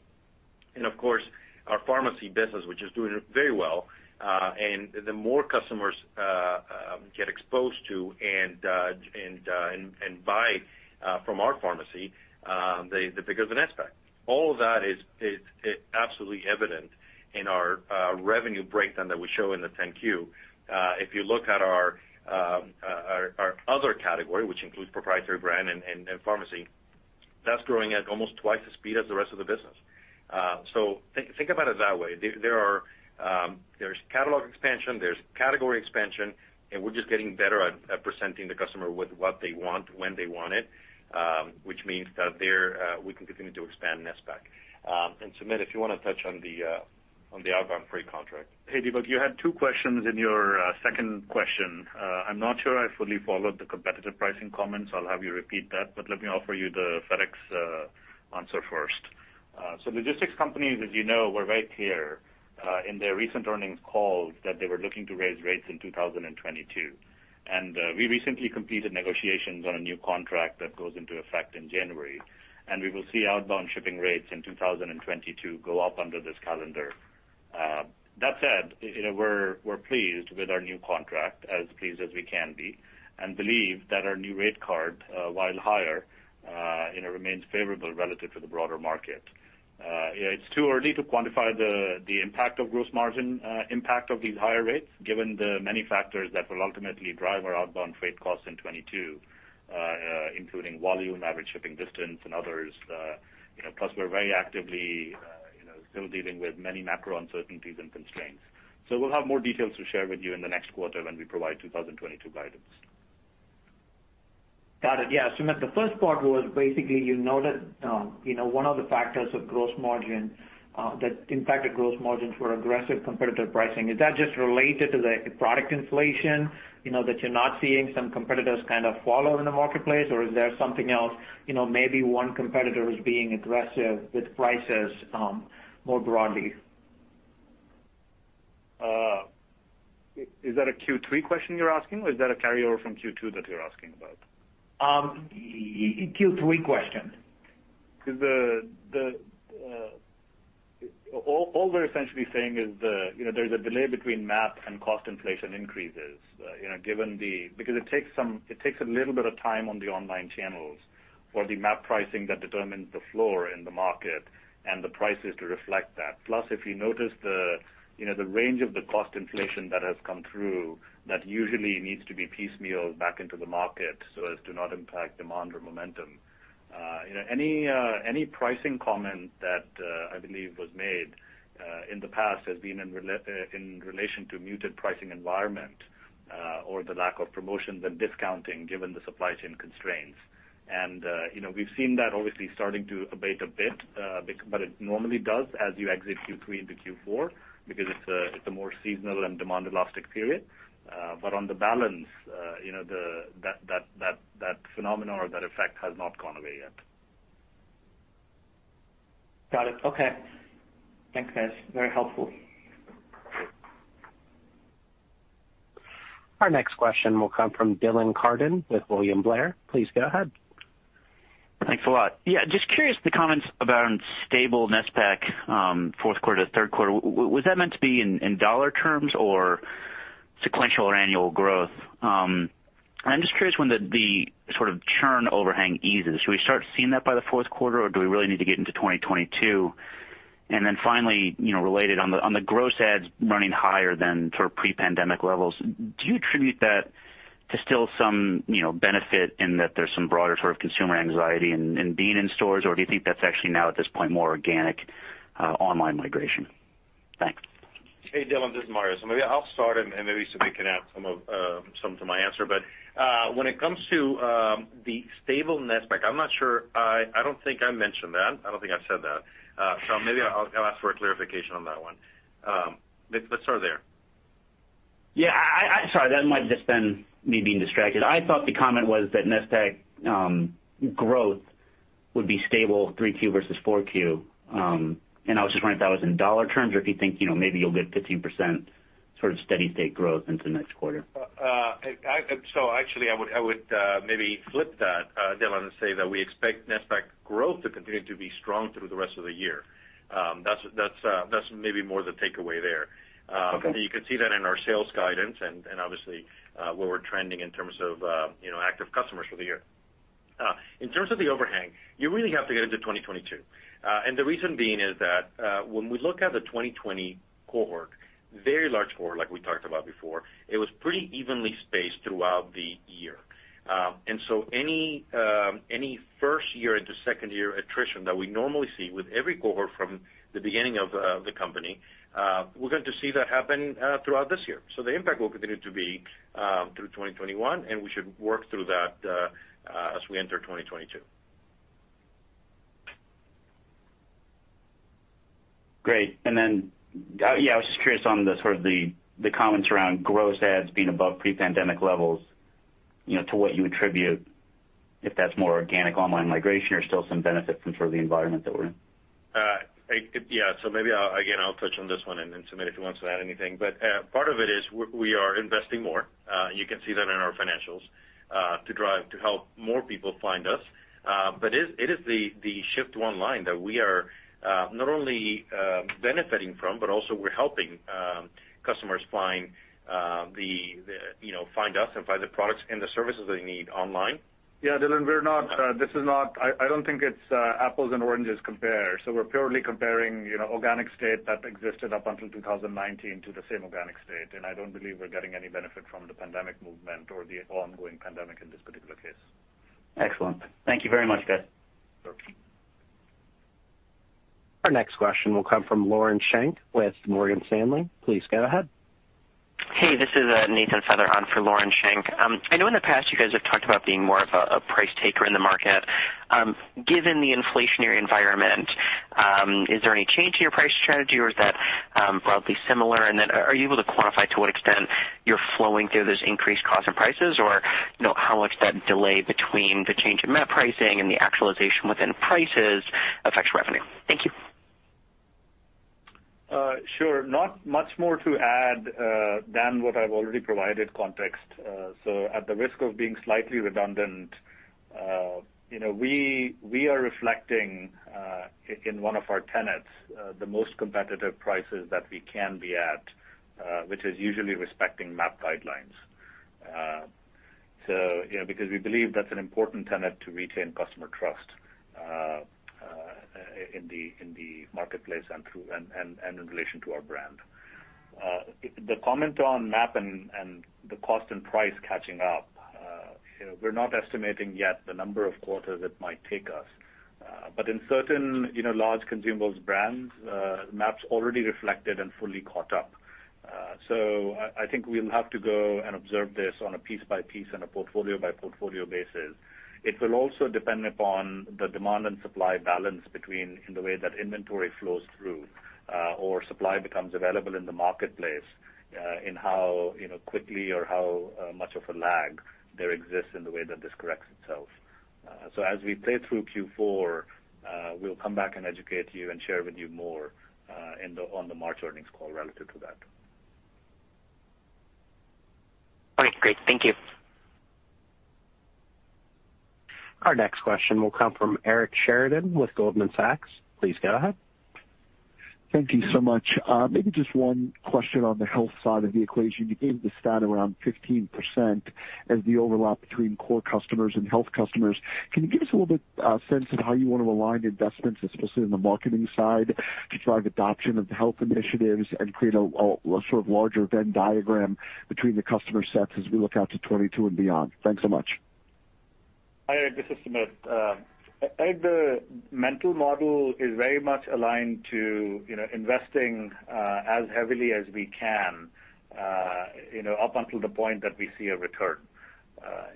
Of course, our pharmacy business, which is doing very well, and the more customers get exposed to and buy from our pharmacy, the bigger the NSPAC. All of that is absolutely evident in our revenue breakdown that we show in the 10-Q. If you look at our other category, which includes proprietary brand and pharmacy, that's growing at almost twice the speed as the rest of the business. Think about it that way. There are catalog expansion, there's category expansion, and we're just getting better at presenting the customer with what they want when they want it, which means that we can continue to expand NSPAC. Sumit, if you wanna touch on the outbound freight contract. Hey, Deepak. You had two questions in your second question. I'm not sure I fully followed the competitive pricing comments, so I'll have you repeat that, but let me offer you the FedEx answer first. Logistics companies, as you know, were very clear in their recent earnings call that they were looking to raise rates in 2022. We recently completed negotiations on a new contract that goes into effect in January, and we will see outbound shipping rates in 2022 go up under this calendar. That said, you know, we're pleased with our new contract, as pleased as we can be, and believe that our new rate card, while higher, you know, remains favorable relative to the broader market. Yeah, it's too early to quantify the gross margin impact of these higher rates, given the many factors that will ultimately drive our outbound freight costs in 2022, including volume, average shipping distance, and others. You know, plus we're very actively you know, still dealing with many macro uncertainties and constraints. We'll have more details to share with you in the next quarter when we provide 2022 guidance. Got it. Yeah. Sumit, the first part was basically you noted one of the factors of gross margin that impacted gross margins were aggressive competitive pricing. Is that just related to the product inflation, you know, that you're not seeing some competitors kind of follow in the marketplace, or is there something else? You know, maybe one competitor is being aggressive with prices more broadly. Is that a Q3 question you're asking, or is that a carryover from Q2 that you're asking about? Q3 question. Because all we're essentially saying is, you know, there's a delay between MAP and cost inflation increases, you know, given that it takes a little bit of time on the online channels for the MAP pricing that determines the floor in the market and the prices to reflect that. Plus, if you notice, you know, the range of the cost inflation that has come through, that usually needs to be piecemealed back into the market so as to not impact demand or momentum. You know, any pricing comment that I believe was made in the past has been in relation to muted pricing environment or the lack of promotions and discounting given the supply chain constraints. You know, we've seen that obviously starting to abate a bit, but it normally does as you exit Q3 into Q4 because it's a more seasonal and demand elastic period. On balance, you know, that phenomenon or that effect has not gone away yet. Got it. Okay. Thanks, guys. Very helpful. Our next question will come from Dylan Carden with William Blair. Please go ahead. Thanks a lot. Yeah, just curious, the comments about NSPAC fourth quarter to third quarter. Was that meant to be in dollar terms or sequential or annual growth? I'm just curious when the sort of churn overhang eases. Should we start seeing that by the fourth quarter, or do we really need to get into 2022? Finally, you know, related, on the gross adds running higher than sort of pre-pandemic levels, do you attribute that to still some, you know, benefit in that there's some broader sort of consumer anxiety in being in stores, or do you think that's actually now at this point more organic online migration? Thanks. Hey, Dylan, this is Mario. Maybe I'll start and maybe Sumit Singh can add some of some to my answer. When it comes to the stable NSPAC, I'm not sure. I don't think I mentioned that. I don't think I've said that. Maybe I'll ask for a clarification on that one. Let's start there. Yeah. Sorry, that might just been me being distracted. I thought the comment was that NSPAC growth would be stable 3Q versus 4Q. I was just wondering if that was in dollar terms or if you think, you know, maybe you'll get 15% sort of steady state growth into next quarter. Actually, I would maybe flip that, Dylan, and say that we expect net pack growth to continue to be strong through the rest of the year. That's maybe more the takeaway there. Okay. You can see that in our sales guidance and obviously where we're trending in terms of you know active customers for the year. In terms of the overhang, you really have to get into 2022. The reason being is that when we look at the 2020 cohort, very large cohort like we talked about before, it was pretty evenly spaced throughout the year. Any first year into second year attrition that we normally see with every cohort from the beginning of the company we're going to see that happen throughout this year. The impact will continue to be through 2021, and we should work through that as we enter 2022. Great. Then, yeah, I was just curious on the sort of comments around gross adds being above pre-pandemic levels, you know, to what you attribute, if that's more organic online migration or still some benefit from sort of the environment that we're in? Yeah. Maybe I'll, again, I'll touch on this one and then Sumit, if he wants to add anything. Part of it is we are investing more, you can see that in our financials, to drive, to help more people find us. It is the shift online that we are not only benefiting from, but also we're helping customers find the you know, find us and find the products and the services they need online. Yeah, Dylan, we're not. I don't think it's apples and oranges comparison. We're purely comparing, you know, organic state that existed up until 2019 to the same organic state. I don't believe we're getting any benefit from the pandemic movement or the ongoing pandemic in this particular case. Excellent. Thank you very much, guys. Sure. Our next question will come from Lauren Schenk with Morgan Stanley. Please go ahead. Hey, this is Nathaniel Feather on for Lauren Schenk. I know in the past you guys have talked about being more of a price taker in the market. Given the inflationary environment, is there any change to your price strategy, or is that broadly similar? Are you able to quantify to what extent you're flowing through this increased cost and prices? Or, you know, how much that delay between the change in net pricing and the actualization within prices affects revenue? Thank you. Sure. Not much more to add than what I've already provided context. At the risk of being slightly redundant, you know, we are reflecting in one of our tenets the most competitive prices that we can be at, which is usually respecting MAP guidelines. You know, because we believe that's an important tenet to retain customer trust in the marketplace and through and in relation to our brand. The comment on MAP and the cost and price catching up, you know, we're not estimating yet the number of quarters it might take us. In certain, you know, large consumables brands, MAP's already reflected and fully caught up. I think we'll have to go and observe this on a piece by piece and a portfolio by portfolio basis. It will also depend upon the demand and supply balance between in the way that inventory flows through or supply becomes available in the marketplace in how you know quickly or how much of a lag there exists in the way that this corrects itself. As we play through Q4, we'll come back and educate you and share with you more on the March earnings call relative to that. Okay, great. Thank you. Our next question will come from Eric Sheridan with Goldman Sachs. Please go ahead. Thank you so much. Maybe just one question on the health side of the equation. You gave the stat around 15% as the overlap between core customers and health customers. Can you give us a little bit, sense of how you wanna align investments, especially in the marketing side, to drive adoption of the health initiatives and create a sort of larger Venn diagram between the customer sets as we look out to 2022 and beyond? Thanks so much. Hi, Eric, this is Sumit. I think the mental model is very much aligned to, you know, investing as heavily as we can, you know, up until the point that we see a return.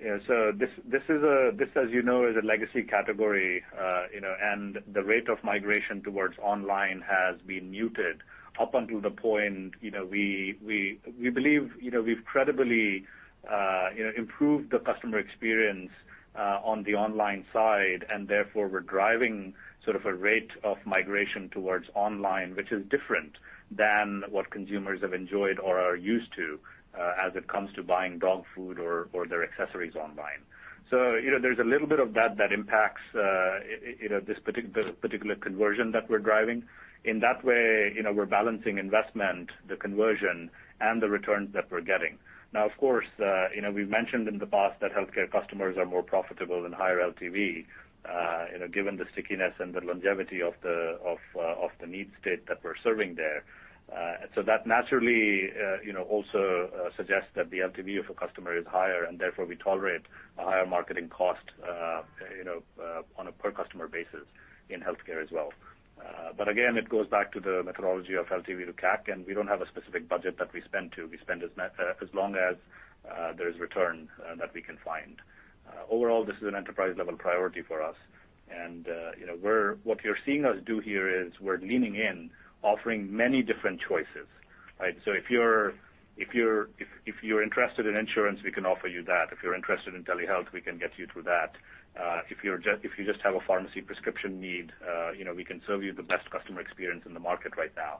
This, as you know, is a legacy category, you know, and the rate of migration towards online has been muted up until the point, you know, we believe, you know, we've credibly, you know, improved the customer experience on the online side, and therefore, we're driving sort of a rate of migration towards online, which is different than what consumers have enjoyed or are used to as it comes to buying dog food or their accessories online. You know, there's a little bit of that that impacts, you know, this particular conversion that we're driving. In that way, you know, we're balancing investment, the conversion, and the returns that we're getting. Now, of course, you know, we've mentioned in the past that healthcare customers are more profitable and higher LTV, you know, given the stickiness and the longevity of the need state that we're serving there. So that naturally, you know, also suggests that the LTV of a customer is higher, and therefore we tolerate a higher marketing cost, you know, on a per customer basis in healthcare as well. But again, it goes back to the methodology of LTV to CAC, and we don't have a specific budget that we spend to. We spend as long as there is return that we can find. Overall, this is an enterprise-level priority for us. You know, what you're seeing us do here is we're leaning in, offering many different choices, right? If you're interested in insurance, we can offer you that. If you're interested in Telehealth, we can get you through that. If you just have a pharmacy prescription need, we can serve you the best customer experience in the market right now.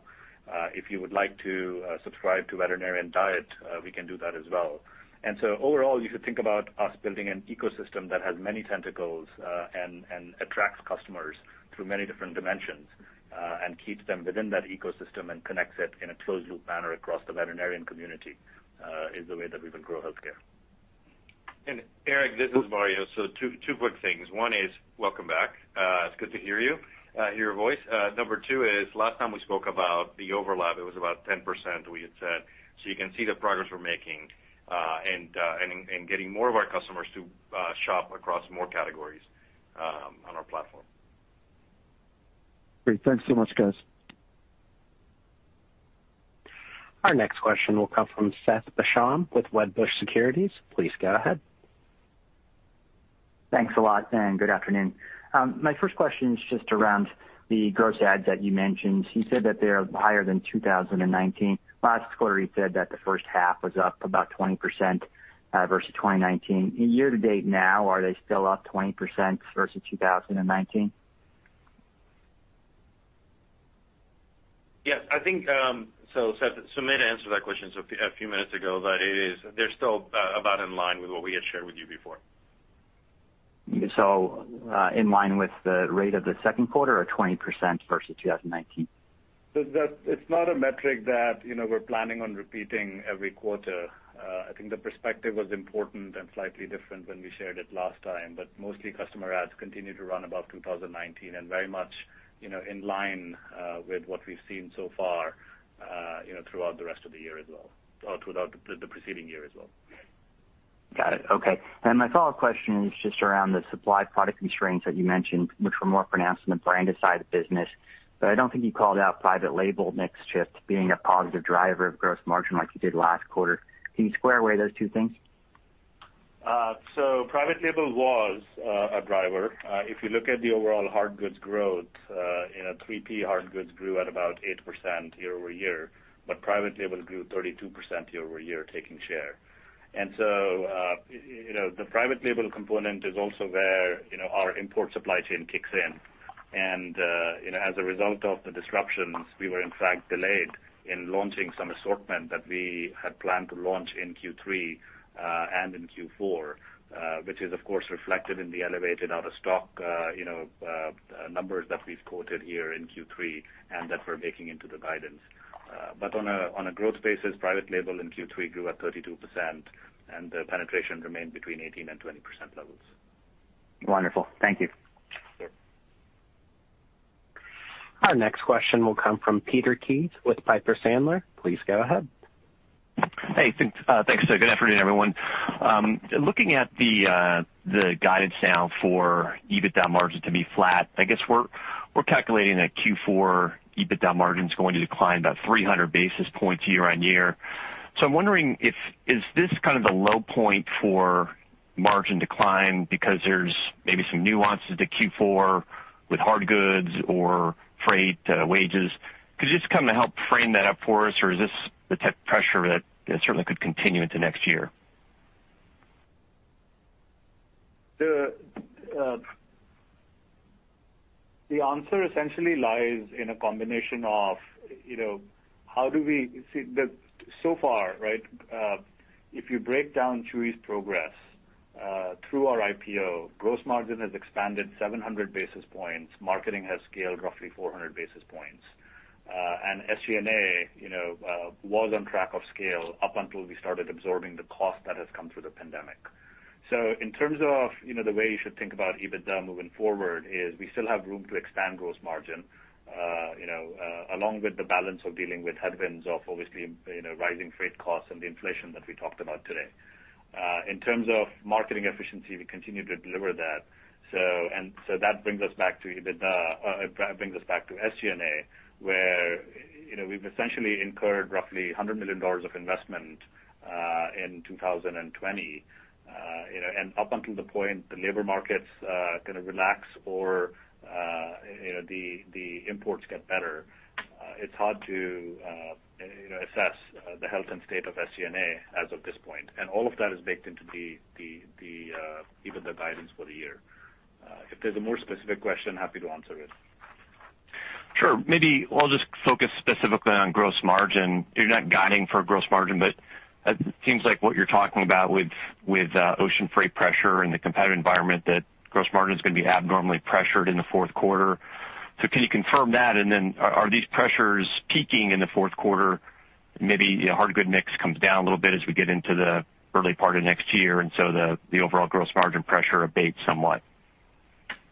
If you would like to subscribe to veterinarian diet, we can do that as well. Overall, you could think about us building an ecosystem that has many tentacles and attracts customers through many different dimensions and keeps them within that ecosystem and connects it in a closed loop manner across the veterinarian community is the way that we can grow healthcare. Eric, this is Mario. Two quick things. One is welcome back. It's good to hear your voice. Number two is last time we spoke about the overlap, it was about 10% we had said. You can see the progress we're making, and getting more of our customers to shop across more categories on our platform. Great. Thanks so much, guys. Our next question will come from Seth Basham with Wedbush Securities. Please go ahead. Thanks a lot, and good afternoon. My first question is just around the gross adds that you mentioned. You said that they are higher than 2019. Last quarter, you said that the first half was up about 20%, versus 2019. Year to date now, are they still up 20% versus 2019? Yes. I think, Seth, Sumit answered that question a few minutes ago, but it is, they're still about in line with what we had shared with you before. In line with the rate of the second quarter or 20% versus 2019? It's not a metric that, you know, we're planning on repeating every quarter. I think the perspective was important and slightly different when we shared it last time. Mostly, customer adds continue to run above 2019 and very much, you know, in line with what we've seen so far, you know, throughout the rest of the year as well, or throughout the preceding year as well. Got it. Okay. My follow-up question is just around the supply product constraints that you mentioned, which were more pronounced in the branded side of the business. I don't think you called out private label mix shift being a positive driver of gross margin like you did last quarter. Can you square away those two things? Private label was a driver. If you look at the overall hard goods growth, you know, 3P hard goods grew at about 8% year-over-year, but private label grew 32% year-over-year, taking share. You know, the private label component is also where you know, our import supply chain kicks in. You know, as a result of the disruptions, we were in fact delayed in launching some assortment that we had planned to launch in Q3 and in Q4, which is of course reflected in the elevated out-of-stock you know numbers that we've quoted here in Q3 and that we're baking into the guidance. On a growth basis, private label in Q3 grew at 32%, and the penetration remained between 18%-20% levels. Wonderful. Thank you. Sure. Our next question will come from Peter Keith with Piper Sandler. Please go ahead. Hey, thanks, sir. Good afternoon, everyone. Looking at the guidance now for EBITDA margin to be flat, I guess we're calculating that Q4 EBITDA margin is going to decline about 300 basis points year-on-year. I'm wondering if, is this kind of the low point for margin decline because there's maybe some nuances to Q4 with hard goods or freight, wages? Could you just kinda help frame that up for us, or is this the type of pressure that certainly could continue into next year? The answer essentially lies in a combination of, you know, so far, right, if you break down Chewy's progress through our IPO, gross margin has expanded 700 basis points. Marketing has scaled roughly 400 basis points. And SG&A, you know, was on track to scale up until we started absorbing the cost that has come through the pandemic. In terms of, you know, the way you should think about EBITDA moving forward is we still have room to expand gross margin, you know, along with the balance of dealing with headwinds of obviously, you know, rising freight costs and the inflation that we talked about today. In terms of marketing efficiency, we continue to deliver that. That brings us back to EBITDA. It brings us back to SG&A, where, you know, we've essentially incurred roughly $100 million of investment in 2020. You know, up until the point the labor markets kind of relax or, you know, the imports get better, it's hard to, you know, assess the health and state of SG&A as of this point. All of that is baked into even the guidance for the year. If there's a more specific question, happy to answer it. Sure. Maybe I'll just focus specifically on gross margin. You're not guiding for gross margin, but it seems like what you're talking about with ocean freight pressure and the competitive environment, that gross margin is gonna be abnormally pressured in the fourth quarter. Can you confirm that? Are these pressures peaking in the fourth quarter? Maybe, you know, hard goods mix comes down a little bit as we get into the early part of next year, and so the overall gross margin pressure abates somewhat.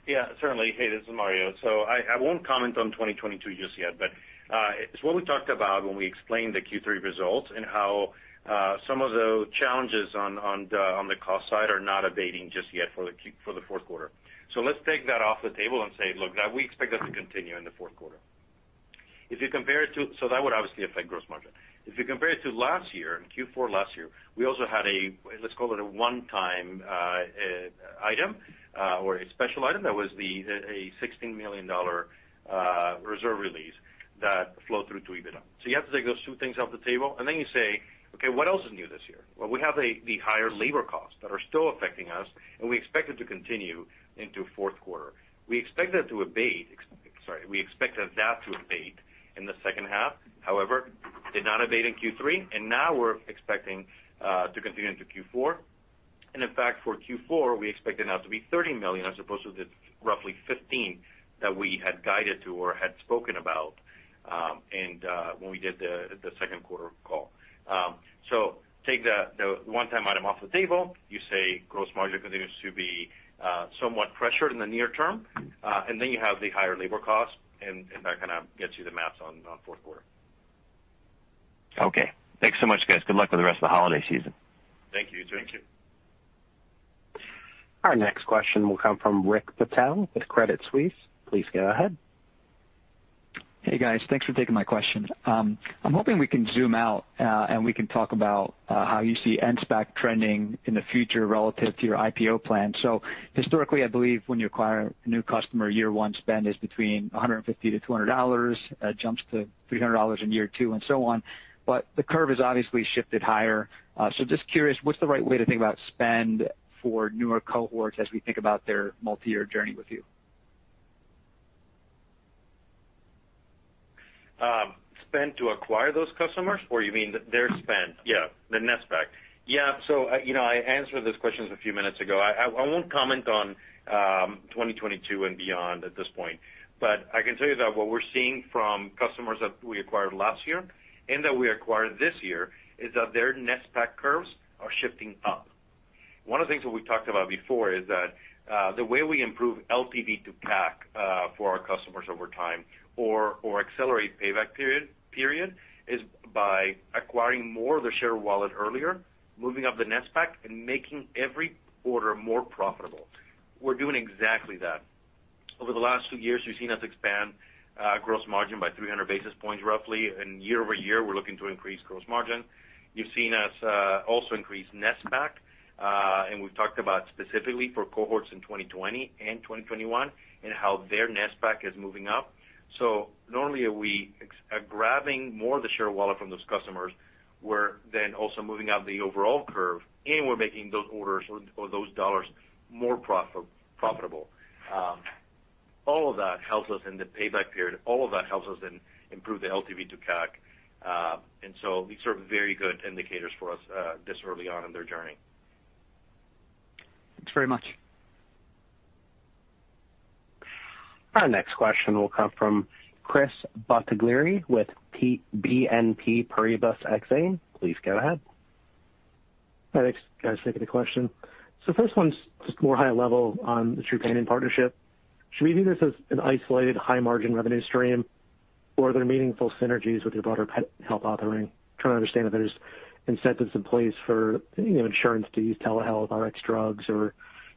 Yeah, certainly. Hey, this is Mario. I won't comment on 2022 just yet, but it's what we talked about when we explained the Q3 results and how some of the challenges on the cost side are not abating just yet for the fourth quarter. Let's take that off the table and say, look, we expect that to continue in the fourth quarter. That would obviously affect gross margin. If you compare it to last year, in Q4 last year, we also had a one-time item or a special item that was a $16 million reserve release that flowed through to EBITDA. You have to take those two things off the table, and then you say, "Okay, what else is new this year?" Well, we have the higher labor costs that are still affecting us, and we expect it to continue into fourth quarter. We expect that to abate. Sorry, we expected that to abate in the second half, however, did not abate in Q3, and now we're expecting to continue into Q4. In fact, for Q4, we expect it now to be $30 million as opposed to the roughly $15 million that we had guided to or had spoken about when we did the second quarter call. So take the one-time item off the table. You say gross margin continues to be somewhat pressured in the near term, and then you have the higher labor costs and that kind of gets you the math on fourth quarter. Okay. Thanks so much, guys. Good luck with the rest of the holiday season. Thank you. Thank you. Our next question will come from Rick Patel with Credit Suisse. Please go ahead. Hey, guys. Thanks for taking my question. I'm hoping we can zoom out, and we can talk about how you see NSPAC trending in the future relative to your IPO plan. Historically, I believe when you acquire a new customer, year one spend is between $150-$200. It jumps to $300 in year two and so on, but the curve has obviously shifted higher. Just curious, what's the right way to think about spend for newer cohorts as we think about their multi-year journey with you? Spend to acquire those customers, or you mean their spend? Yeah, the NSPAC. Yeah. You know, I answered those questions a few minutes ago. I won't comment on 2022 and beyond at this point, but I can tell you that what we're seeing from customers that we acquired last year and that we acquired this year is that their NSPAC curves are shifting up. One of the things that we talked about before is that the way we improve LTV to CAC for our customers over time or accelerate payback period is by acquiring more of the share of wallet earlier, moving up the NSPAC and making every order more profitable. We're doing exactly that. Over the last two years, you've seen us expand gross margin by 300 basis points roughly, and year-over-year, we're looking to increase gross margin. You've seen us also increase NSPAC, and we've talked about specifically for cohorts in 2020 and 2021 and how their NSPAC is moving up. Not only are we grabbing more of the share of wallet from those customers, we're then also moving up the overall curve, and we're making those orders or those dollars more profitable. All of that helps us in the payback period. All of that helps us improve the LTV to CAC. These are very good indicators for us this early on in their journey. Thanks very much. Our next question will come from Chris Bottiglieri with BNP Paribas Exane. Please go ahead. Thanks, guys, for taking the question. First one's just more high level on the Chewy Trupanion partnership. Should we view this as an isolated high margin revenue stream, or are there meaningful synergies with your broader pet health offering? Trying to understand if there's incentives in place for, you know, insurance to use telehealth, RX drugs, or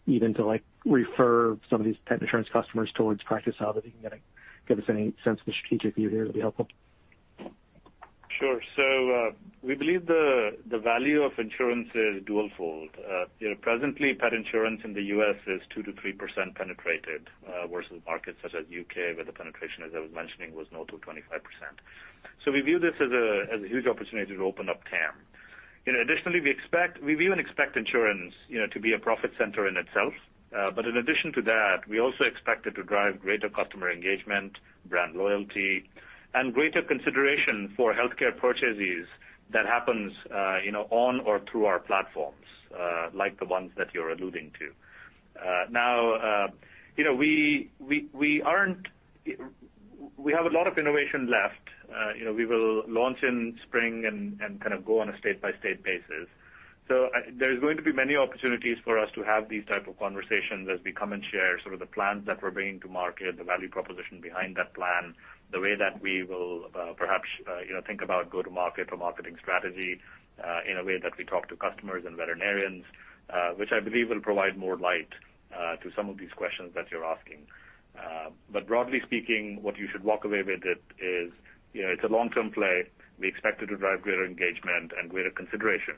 even to, like, refer some of these pet insurance customers towards Practice Hub. If you can kinda give us any sense of the strategic view here, that'd be helpful. Sure. We believe the value of insurance is twofold. You know, presently pet insurance in the U.S. is 2%-3% penetration versus markets such as the U.K., where the penetration, as I was mentioning, was north of 25%. We view this as a huge opportunity to open up TAM. You know, additionally, we expect we even expect insurance, you know, to be a profit center in itself. But in addition to that, we also expect it to drive greater customer engagement, brand loyalty, and greater consideration for healthcare purchases that happen, you know, on or through our platforms, like the ones that you're alluding to. Now, you know, we have a lot of innovation left. You know, we will launch in spring and kind of go on a state-by-state basis. There's going to be many opportunities for us to have these type of conversations as we come and share some of the plans that we're bringing to market, the value proposition behind that plan, the way that we will, perhaps, you know, think about go-to-market or marketing strategy, in a way that we talk to customers and veterinarians, which I believe will provide more light to some of these questions that you're asking. Broadly speaking, what you should walk away with it is, you know, it's a long-term play. We expect it to drive greater engagement and greater consideration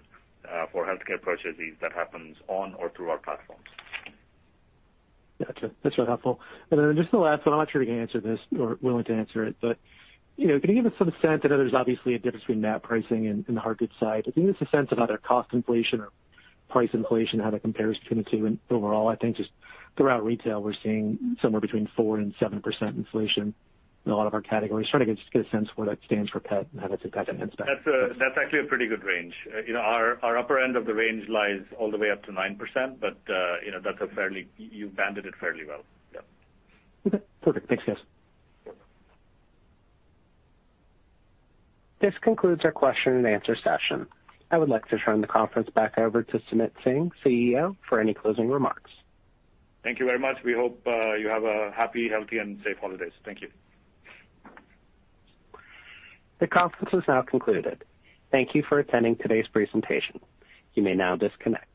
for healthcare purchases that happens on or through our platforms. Gotcha. That's really helpful. Then just the last one, I'm not sure you can answer this or willing to answer it, but, you know, can you give us some sense, I know there's obviously a difference between that pricing and the hard goods side. Can you give us a sense of how the cost inflation or price inflation, how that compares between the two? Overall, I think just throughout retail, we're seeing somewhere between 4% and 7% inflation in a lot of our categories. Trying to get just a sense of where that stands for pet and how that's impacted PetSmart. That's actually a pretty good range. You know, our upper end of the range lies all the way up to 9%, but you know, that's a fairly. You bounded it fairly well. Yep. Okay. Perfect. Thanks, guys. This concludes our question and answer session. I would like to turn the conference back over to Sumit Singh, CEO, for any closing remarks. Thank you very much. We hope you have a happy, healthy, and safe holidays. Thank you. The conference is now concluded. Thank you for attending today's presentation. You may now disconnect.